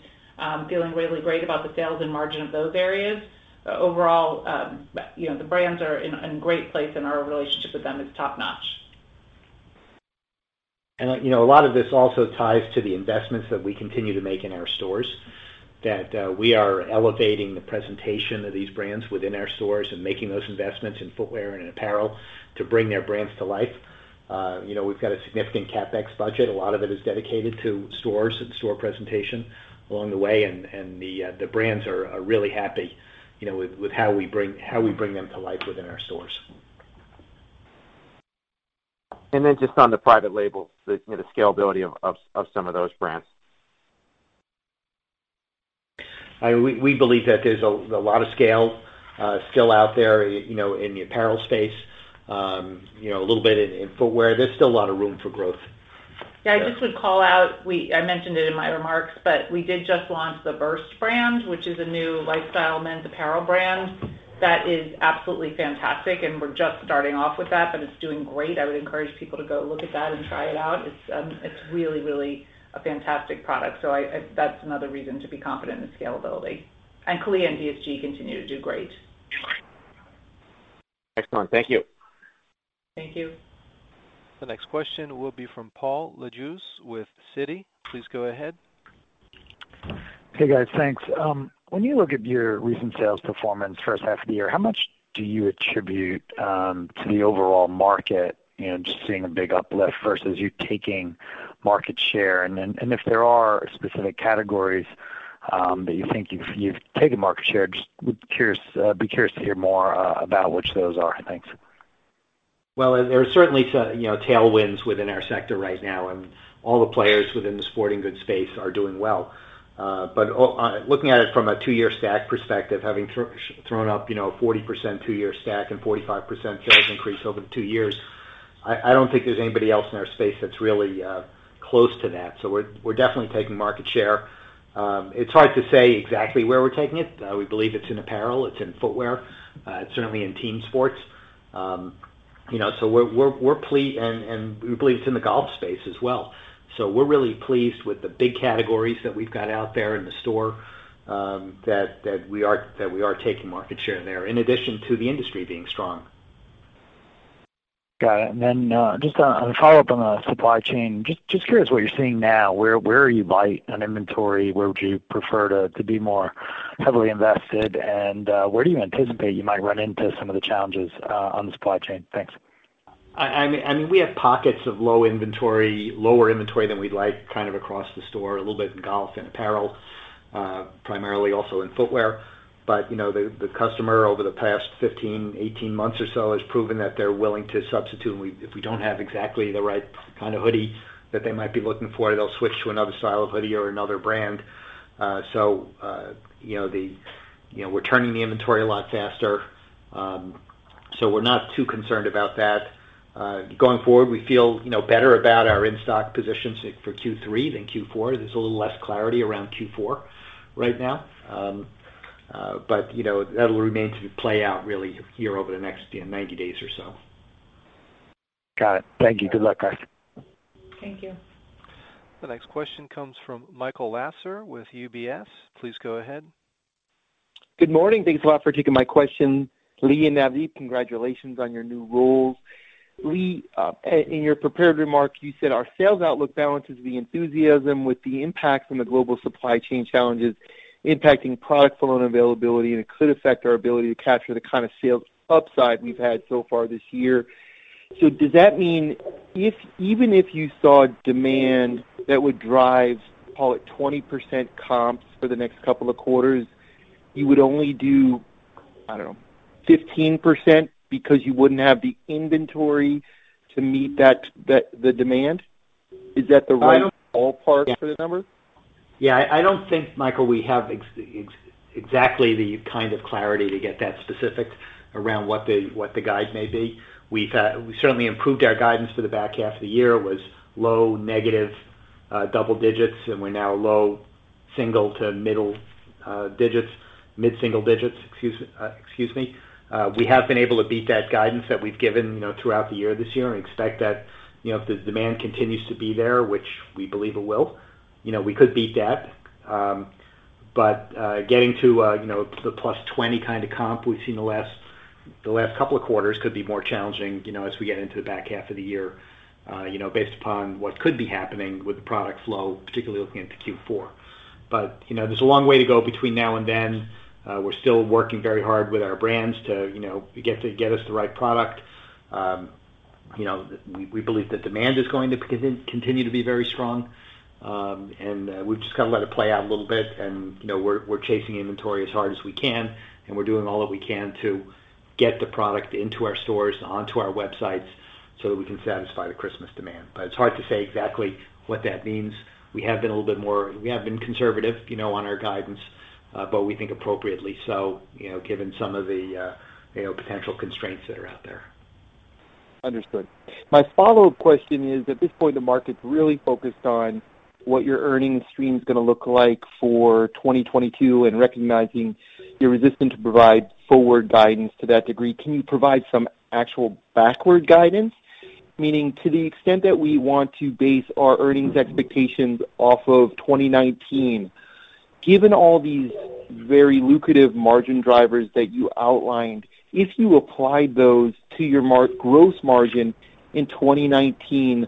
feeling really great about the sales and margin of those areas. Overall, the brands are in a great place, and our relationship with them is top-notch. A lot of this also ties to the investments that we continue to make in our stores, that we are elevating the presentation of these brands within our stores and making those investments in footwear and in apparel to bring their brands to life. We've got a significant CapEx budget. A lot of it is dedicated to stores and store presentation along the way, and the brands are really happy with how we bring them to life within our stores. Just on the private label, the scalability of some of those brands. We believe that there's a lot of scale still out there in the apparel space. A little bit in footwear. There's still a lot of room for growth. Yeah. I just would call out, I mentioned it in my remarks, but we did just launch the VRST brand, which is a new lifestyle men's apparel brand that is absolutely fantastic, and we're just starting off with that, but it's doing great. I would encourage people to go look at that and try it out. It's really a fantastic product. That's another reason to be confident in the scalability. CALIA and DSG continue to do great. Excellent. Thank you. Thank you. The next question will be from Paul Lejuez with Citi. Please go ahead. Hey, guys. Thanks. When you look at your recent sales performance first half of the year, how much do you attribute to the overall market just seeing a big uplift versus you taking market share? if there are specific categories that you think you've taken market share, just would be curious to hear more about which those are. Thanks. Well, there are certainly some tailwinds within our sector right now, and all the players within the sporting goods space are doing well. looking at it from a two-year stack perspective, having thrown up 40% two-year stack and 45% sales increase over the two years, I don't think there's anybody else in our space that's really close to that. we're definitely taking market share. It's hard to say exactly where we're taking it. We believe it's in apparel, it's in footwear. It's certainly in team sports. we believe it's in the golf space as well. we're really pleased with the big categories that we've got out there in the store, that we are taking market share there, in addition to the industry being strong. Got it. just a follow-up on the supply chain. Just curious what you're seeing now. Where are you light on inventory? Where would you prefer to be more heavily invested, and where do you anticipate you might run into some of the challenges on the supply chain? Thanks. I mean, we have pockets of low inventory, lower inventory than we'd like across the store, a little bit in golf and apparel primarily also in footwear. The customer over the past 15, 18 months or so has proven that they're willing to substitute. If we don't have exactly the right kind of hoodie that they might be looking for, they'll switch to another style of hoodie or another brand. We're turning the inventory a lot faster. We're not too concerned about that. Going forward, we feel better about our in-stock positions for Q3 than Q4. There's a little less clarity around Q4 right now. That'll remain to play out really here over the next 90 days or so. Got it. Thank you. Good luck, guys. Thank you. The next question comes from Michael Lasser with UBS. Please go ahead. Good morning. Thanks a lot for taking my questions. Lee and Navdeep, congratulations on your new roles. Lee, in your prepared remarks, you said our sales outlook balances the enthusiasm with the impact from the global supply chain challenges impacting product flow and availability, and it could affect our ability to capture the kind of sales upside we've had so far this year. Does that mean even if you saw demand that would drive, call it 20% comps for the next couple of quarters, you would only do, I don't know, 15% because you wouldn't have the inventory to meet the demand? Is that the right ball park for the numbers? Yeah. I don't think, Michael, we have exactly the kind of clarity to get that specific around what the guide may be. We certainly improved our guidance for the back half of the year. It was low negative double digits, and we're now low single to middle digits, mid-single digits, excuse me. We have been able to beat that guidance that we've given throughout the year this year and expect that if the demand continues to be there, which we believe it will, we could beat that. Getting to the plus 20 kind of comp we've seen the last couple of quarters could be more challenging as we get into the back half of the year based upon what could be happening with the product flow, particularly looking into Q4. There's a long way to go between now and then. We're still working very hard with our brands to get us the right product. We believe that demand is going to continue to be very strong. We've just got to let it play out a little bit and we're chasing inventory as hard as we can, and we're doing all that we can to get the product into our stores and onto our websites so that we can satisfy the Christmas demand. We think appropriately so, given some of the potential constraints that are out there. Understood. My follow-up question is, at this point, the market's really focused on what your earnings stream's going to look like for 2022 and recognizing you're resistant to provide forward guidance to that degree. Can you provide some actual backward guidance? Meaning, to the extent that we want to base our earnings expectations off of 2019, given all these very lucrative margin drivers that you outlined, if you applied those to your gross margin in 2019,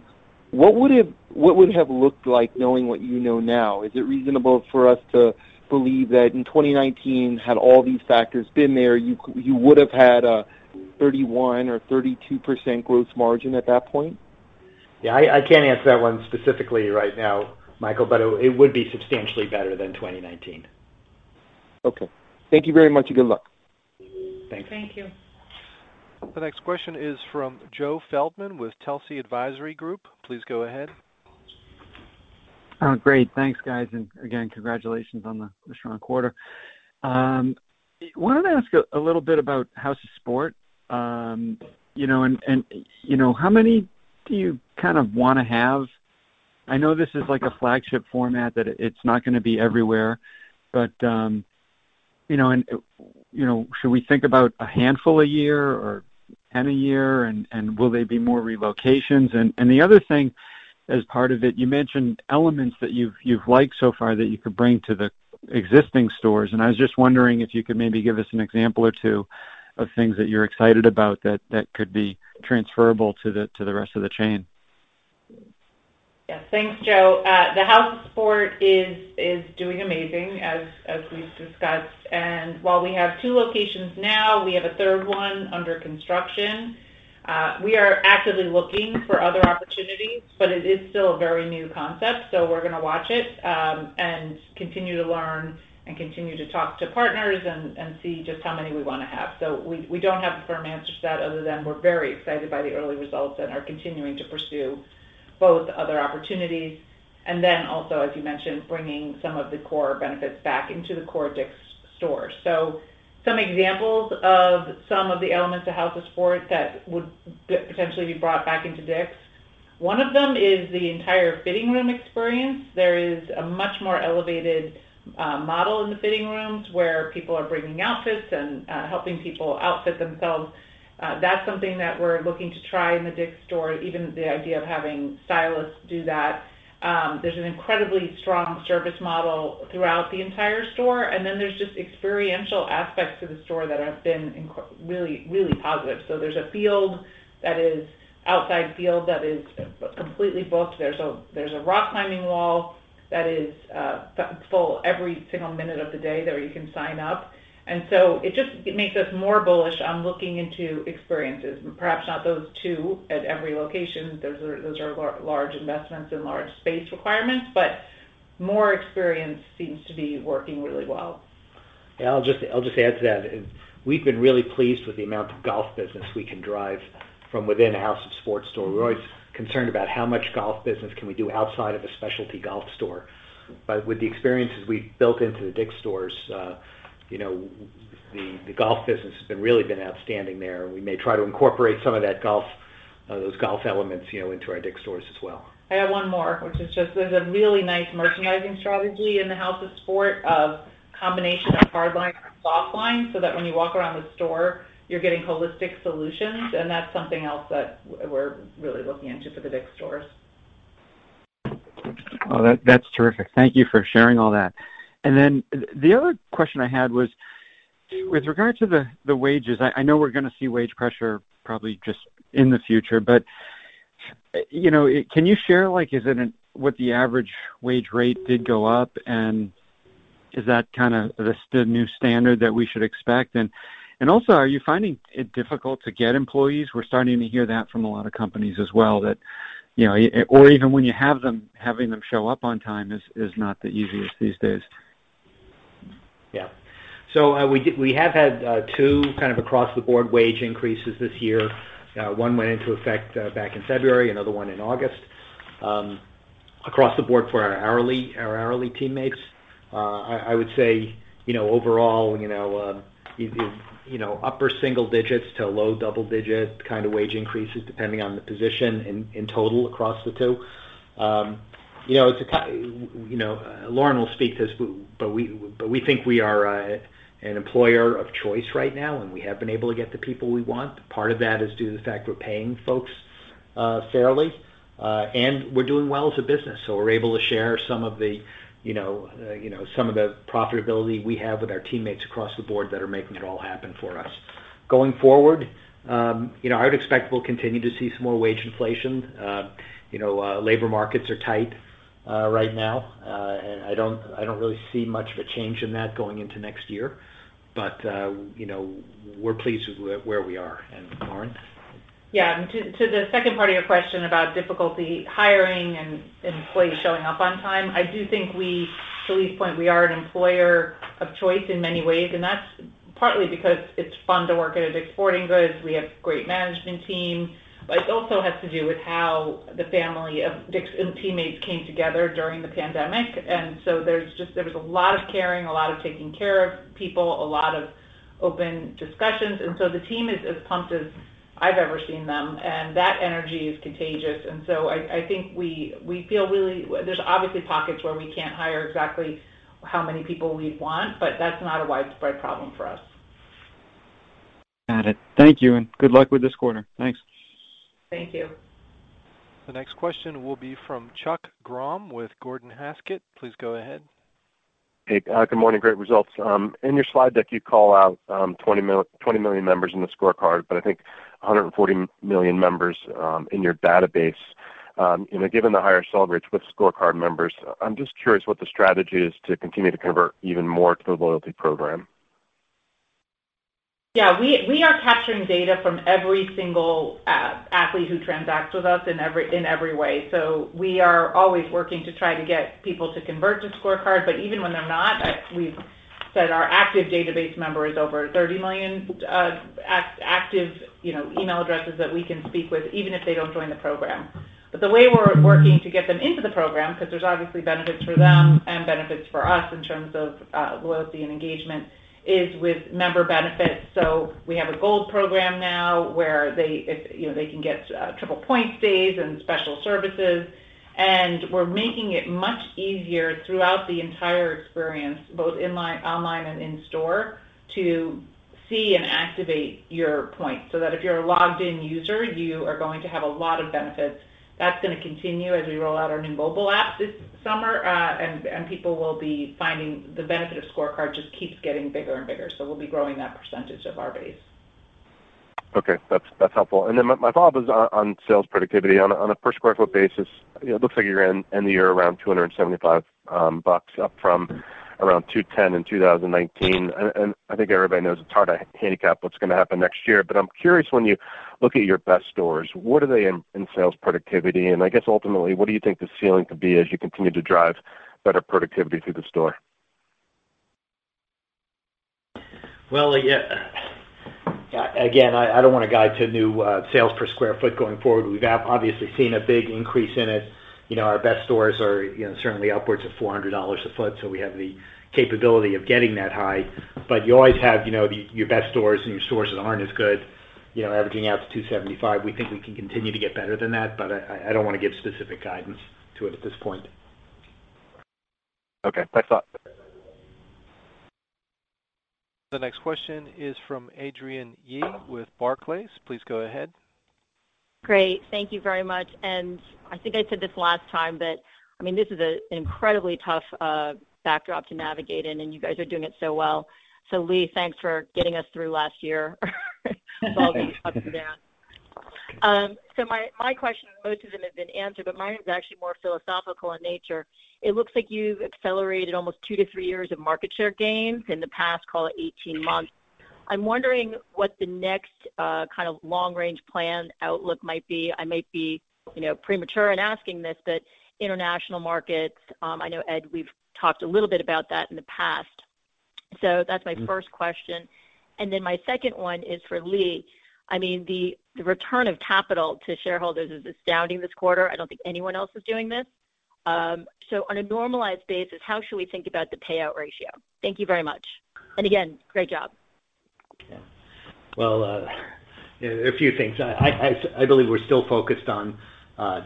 what would it have looked like knowing what you know now? Is it reasonable for us to believe that in 2019, had all these factors been there, you would've had a 31% or 32% gross margin at that point? Yeah. I can't answer that one specifically right now, Michael, but it would be substantially better than 2019. Okay. Thank you very much, and good luck. Thanks. Thank you. The next question is from Joe Feldman with Telsey Advisory Group. Please go ahead. Great. Thanks, guys. Again, congratulations on the strong quarter. Wanted to ask a little bit about House of Sport. How many do you want to have? I know this is like a flagship format, that it's not going to be everywhere. Should we think about a handful a year or 10 a year, and will they be more relocations? The other thing as part of it, you mentioned elements that you've liked so far that you could bring to the existing stores, and I was just wondering if you could maybe give us an example or two of things that you're excited about that could be transferable to the rest of the chain. Yeah. Thanks, Joe. The House of Sport is doing amazing as we've discussed. While we have two locations now, we have a third one under construction. We are actively looking for other opportunities, but it is still a very new concept, so we're going to watch it, and continue to learn and continue to talk to partners and see just how many we want to have. We don't have a firm answer to that other than we're very excited by the early results and are continuing to pursue both other opportunities and then also, as you mentioned, bringing some of the core benefits back into the core DICK'S stores. Some examples of some of the elements of House of Sport that would potentially be brought back into DICK'S. One of them is the entire fitting room experience. There is a much more elevated model in the fitting rooms where people are bringing outfits and helping people outfit themselves. That's something that we're looking to try in the DICK'S store, even the idea of having stylists do that. There's an incredibly strong service model throughout the entire store, and then there's just experiential aspects to the store that have been really positive. There's a field, that is outside field that is completely booked. There's a rock climbing wall that is full every single minute of the day that you can sign up. It just makes us more bullish on looking into experiences. Perhaps not those two at every location. Those are large investments and large space requirements, but more experience seems to be working really well. Yeah, I'll just add to that. We've been really pleased with the amount of golf business we can drive from within a House of Sports store. We're always concerned about how much golf business can we do outside of a specialty golf store. With the experiences we've built into the DICK'S stores, the golf business has really been outstanding there, and we may try to incorporate some of those golf elements into our DICK'S stores as well. I have one more, which is just there's a really nice merchandising strategy in the House of Sport of combination of hard line and soft line, so that when you walk around the store, you're getting holistic solutions. That's something else that we're really looking into for the DICK'S stores. Oh, that's terrific. Thank you for sharing all that. The other question I had was with regard to the wages. I know we're going to see wage pressure probably just in the future, but can you share what the average wage rate did go up, and is that kind of the new standard that we should expect? Also, are you finding it difficult to get employees? We're starting to hear that from a lot of companies as well, or even when you have them, having them show up on time is not the easiest these days. Yeah. We have had two kind of across the board wage increases this year. One went into effect back in February, another one in August, across the board for our hourly teammates. I would say, overall, upper single digits to low double digit wage increases, depending on the position in total across the two. Lauren will speak to this, but we think we are an employer of choice right now, and we have been able to get the people we want. Part of that is due to the fact we're paying folks fairly. We're doing well as a business, so we're able to share some of the profitability we have with our teammates across the board that are making it all happen for us. Going forward, I would expect we'll continue to see some more wage inflation. Labor markets are tight right now. I don't really see much of a change in that going into next year. We're pleased with where we are. Lauren? Yeah. To the second part of your question about difficulty hiring and employees showing up on time, I do think we, to Lee's point, we are an employer of choice in many ways, and that's partly because it's fun to work at a DICK'S Sporting Goods. We have great management team, but it also has to do with how the family of DICK'S and teammates came together during the pandemic. There was a lot of caring, a lot of taking care of people, a lot of open discussions. The team is as pumped as I've ever seen them, and that energy is contagious. There's obviously pockets where we can't hire exactly how many people we'd want, but that's not a widespread problem for us. Got it. Thank you, and good luck with this quarter. Thanks. Thank you. The next question will be from Chuck Grom with Gordon Haskett. Please go ahead. Hey. Good morning. Great results. In your slide deck, you call out 20 million members in the ScoreCard, but I think 140 million members in your database. Given the higher sell rates with ScoreCard members, I'm just curious what the strategy is to continue to convert even more to the loyalty program. Yeah. We are capturing data from every single athlete who transacts with us in every way. We are always working to try to get people to convert to ScoreCard, but even when they're not, we've said our active database member is over 30 million active email addresses that we can speak with, even if they don't join the program. The way we're working to get them into the program, because there's obviously benefits for them and benefits for us in terms of loyalty and engagement, is with member benefits. We have a gold program now where they can get triple points days and special services, and we're making it much easier throughout the entire experience, both online and in-store, to see and activate your points, so that if you're a logged in user, you are going to have a lot of benefits. That's going to continue as we roll out our new mobile app this summer, and people will be finding the benefit of ScoreCard just keeps getting bigger and bigger. We'll be growing that percentage of our base. Okay. That's helpful. My follow-up is on sales productivity. On a per sq ft basis, it looks like you're going to end the year around $275 up from around $210 in 2019. I think everybody knows it's hard to handicap what's going to happen next year, but I'm curious when you look at your best stores, what are they in sales productivity? I guess ultimately, what do you think the ceiling could be as you continue to drive better productivity through the store? Well, again, I don't want to guide to new sales per square foot going forward. We've obviously seen a big increase in it. Our best stores are certainly upwards of $400 a foot. We have the capability of getting that high. You always have your best stores and your stores that aren't as good averaging out to 275. We think we can continue to get better than that, but I don't want to give specific guidance to it at this point. Okay. Thanks a lot. The next question is from Adrienne Yih with Barclays. Please go ahead. Great. Thank you very much. I think I said this last time, but this is an incredibly tough backdrop to navigate in, and you guys are doing it so well. Lee, thanks for getting us through last year with all these ups and downs. My questions, most of them have been answered, but mine is actually more philosophical in nature. It looks like you've accelerated almost two to three years of market share gains in the past, call it 18 months. I'm wondering what the next kind of long-range plan outlook might be. I might be premature in asking this, but international markets, I know, Ed, we've talked a little bit about that in the past. That's my first question. My second one is for Lee. The return of capital to shareholders is astounding this quarter. I don't think anyone else is doing this. On a normalized basis, how should we think about the payout ratio? Thank you very much. again, great job. Yeah. Well, a few things. I believe we're still focused on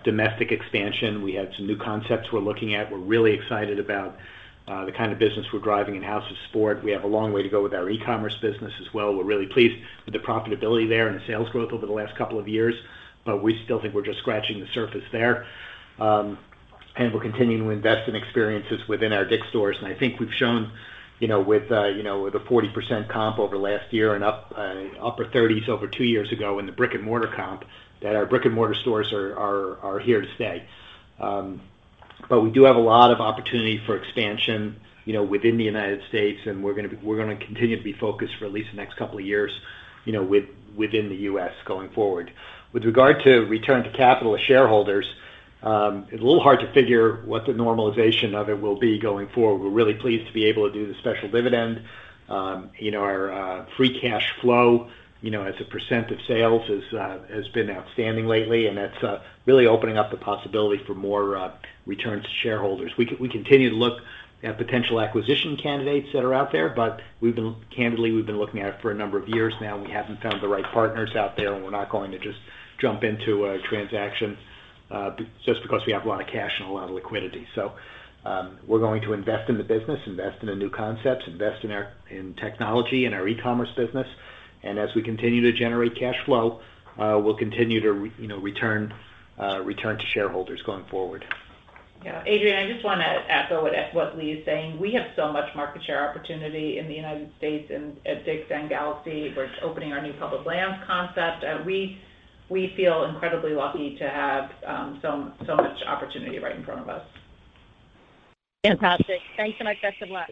domestic expansion. We have some new concepts we're looking at. We're really excited about the kind of business we're driving in House of Sport. We have a long way to go with our e-commerce business as well. We're really pleased with the profitability there and the sales growth over the last couple of years, but we still think we're just scratching the surface there. We're continuing to invest in experiences within our DICK'S stores. I think we've shown with the 40% comp over last year and upper 30s over two years ago in the brick and mortar comp, that our brick and mortar stores are here to stay. We do have a lot of opportunity for expansion within the United States, and we're going to continue to be focused for at least the next couple of years within the U.S. going forward. With regard to return to capital to shareholders, it's a little hard to figure what the normalization of it will be going forward. We're really pleased to be able to do the special dividend. Our free cash flow as a % of sales has been outstanding lately, and that's really opening up the possibility for more return to shareholders. We continue to look at potential acquisition candidates that are out there, but candidly, we've been looking at it for a number of years now and we haven't found the right partners out there, and we're not going to just jump into a transaction just because we have a lot of cash and a lot of liquidity. We're going to invest in the business, invest in the new concepts, invest in technology, in our e-commerce business. As we continue to generate cash flow, we'll continue to return to shareholders going forward. Yeah. Adrienne, I just want to echo what Lee is saying. We have so much market share opportunity in the United States and at DICK'S and Galaxy. We're opening our new Public Lands concept. We feel incredibly lucky to have so much opportunity right in front of us. Fantastic. Thanks so much, guys. Good luck.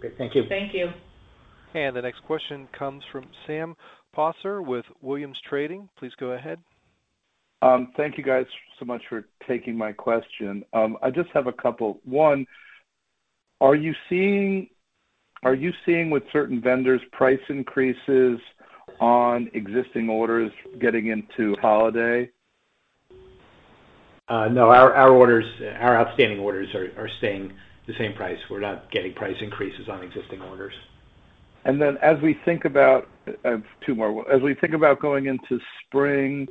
Great. Thank you. Thank you. The next question comes from Sam Poser with Williams Trading. Please go ahead. Thank you guys so much for taking my question. I just have a couple. One, are you seeing with certain vendors price increases on existing orders getting into holiday? No. Our outstanding orders are staying the same price. We're not getting price increases on existing orders. As we think about I have two more. As we think about going into spring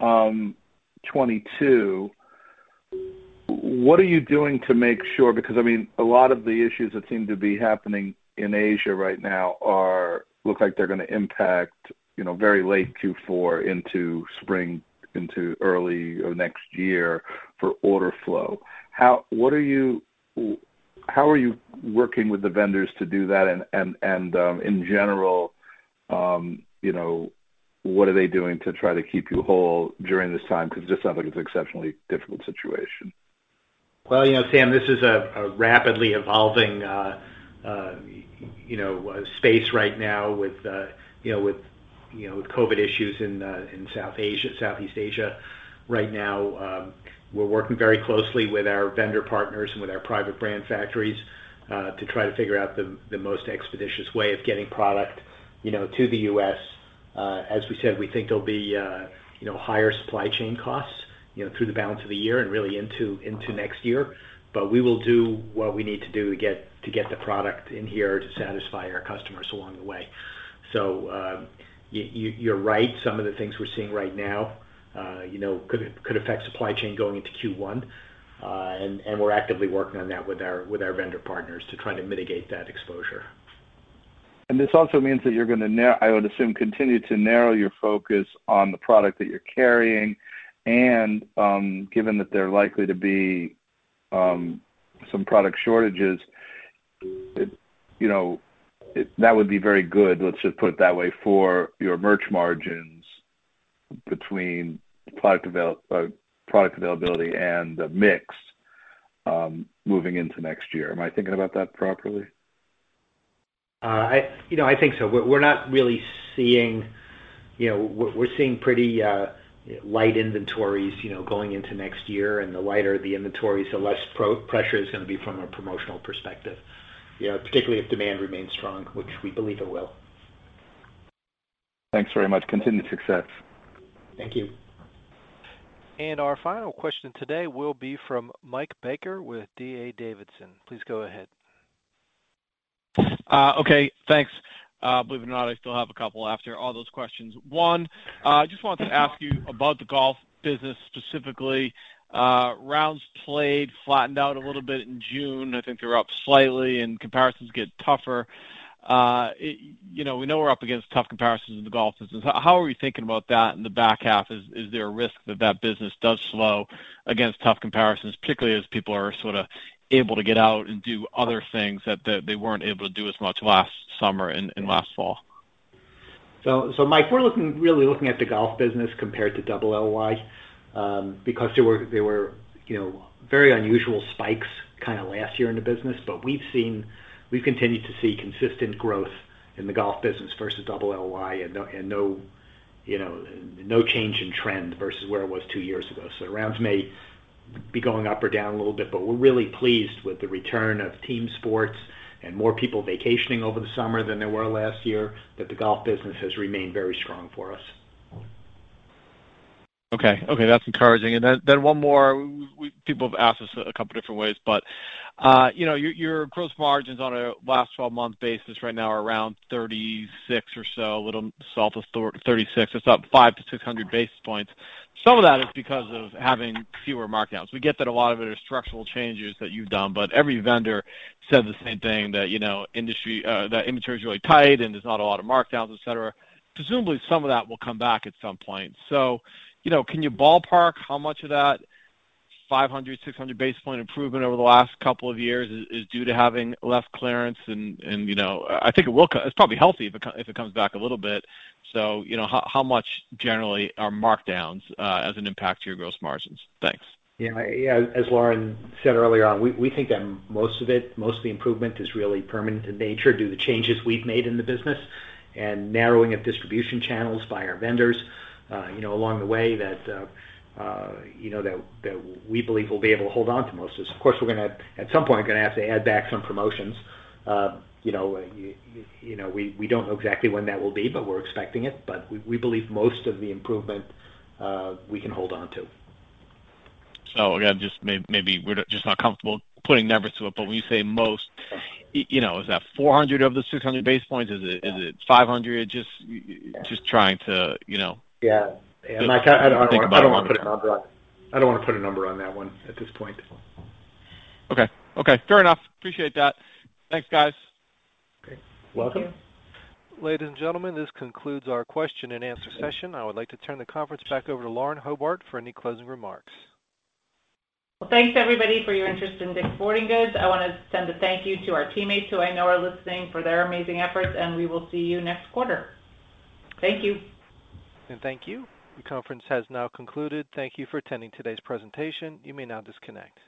2022, what are you doing to make sure, because a lot of the issues that seem to be happening in Asia right now look like they're going to impact very late Q4 into spring, into early next year for order flow. How are you working with the vendors to do that? in general, what are they doing to try to keep you whole during this time? Because it just sounds like it's an exceptionally difficult situation. Well, Sam, this is a rapidly evolving space right now with COVID issues in Southeast Asia right now. We're working very closely with our vendor partners and with our private brand factories to try to figure out the most expeditious way of getting product to the U.S. As we said, we think there'll be higher supply chain costs through the balance of the year and really into next year. We will do what we need to do to get the product in here to satisfy our customers along the way. You're right. Some of the things we're seeing right now could affect supply chain going into Q1. We're actively working on that with our vendor partners to try to mitigate that exposure. This also means that you're going to, I would assume, continue to narrow your focus on the product that you're carrying and given that there are likely to be some product shortages, that would be very good, let's just put it that way, for your merch margins between product availability and the mix moving into next year. Am I thinking about that properly? I think so. We're seeing pretty light inventories going into next year, and the lighter the inventories, the less pressure is going to be from a promotional perspective, particularly if demand remains strong, which we believe it will. Thanks very much. Continued success. Thank you. Our final question today will be from Mike Baker with D.A. Davidson. Please go ahead. Okay, thanks. Believe it or not, I still have a couple after all those questions. One, I just wanted to ask you about the golf business, specifically, rounds played flattened out a little bit in June. I think they were up slightly and comparisons get tougher. We know we're up against tough comparisons in the golf business. How are we thinking about that in the back half? Is there a risk that business does slow against tough comparisons, particularly as people are able to get out and do other things that they weren't able to do as much last summer and last fall? Mike, we're really looking at the golf business compared to double LY because there were very unusual spikes last year in the business. We've continued to see consistent growth in the golf business versus double LY and no change in trend versus where it was two years ago. The rounds may be going up or down a little bit, but we're really pleased with the return of team sports and more people vacationing over the summer than there were last year, that the golf business has remained very strong for us. Okay. That's encouraging. One more. People have asked us a couple different ways, your gross margins on a last 12-month basis right now are around 36 or so, a little south of 36. That's up 500 to 600 basis points. Some of that is because of having fewer markdowns. We get that a lot of it are structural changes that you've done, but every vendor says the same thing, that inventory is really tight and there's not a lot of markdowns, et cetera. Presumably, some of that will come back at some point. Can you ballpark how much of that 500, 600 basis point improvement over the last couple of years is due to having less clearance and I think it's probably healthy if it comes back a little bit. How much generally are markdowns as an impact to your gross margins? Thanks. Yeah. As Lauren said earlier on, we think that most of it, most of the improvement is really permanent in nature due to changes we've made in the business and narrowing of distribution channels by our vendors along the way that we believe we'll be able to hold onto most of this. Of course, we're, at some point, going to have to add back some promotions. We don't know exactly when that will be, but we're expecting it. We believe most of the improvement we can hold onto. Again, maybe we're just not comfortable putting numbers to it, but when you say most, is that 400 of the 600 basis points? Is it 500? Just trying to- Yeah. Think about it. I don't want to put a number on that one at this point. Okay. Fair enough. Appreciate that. Thanks, guys. Great. Welcome. Ladies and gentlemen, this concludes our question and answer session. I would like to turn the conference back over to Lauren Hobart for any closing remarks. Well, thanks everybody for your interest in DICK’S Sporting Goods. I want to send a thank you to our teammates who I know are listening for their amazing efforts, and we will see you next quarter. Thank you. And thank you. The conference has now concluded. Thank you for attending today's presentation. You may now disconnect.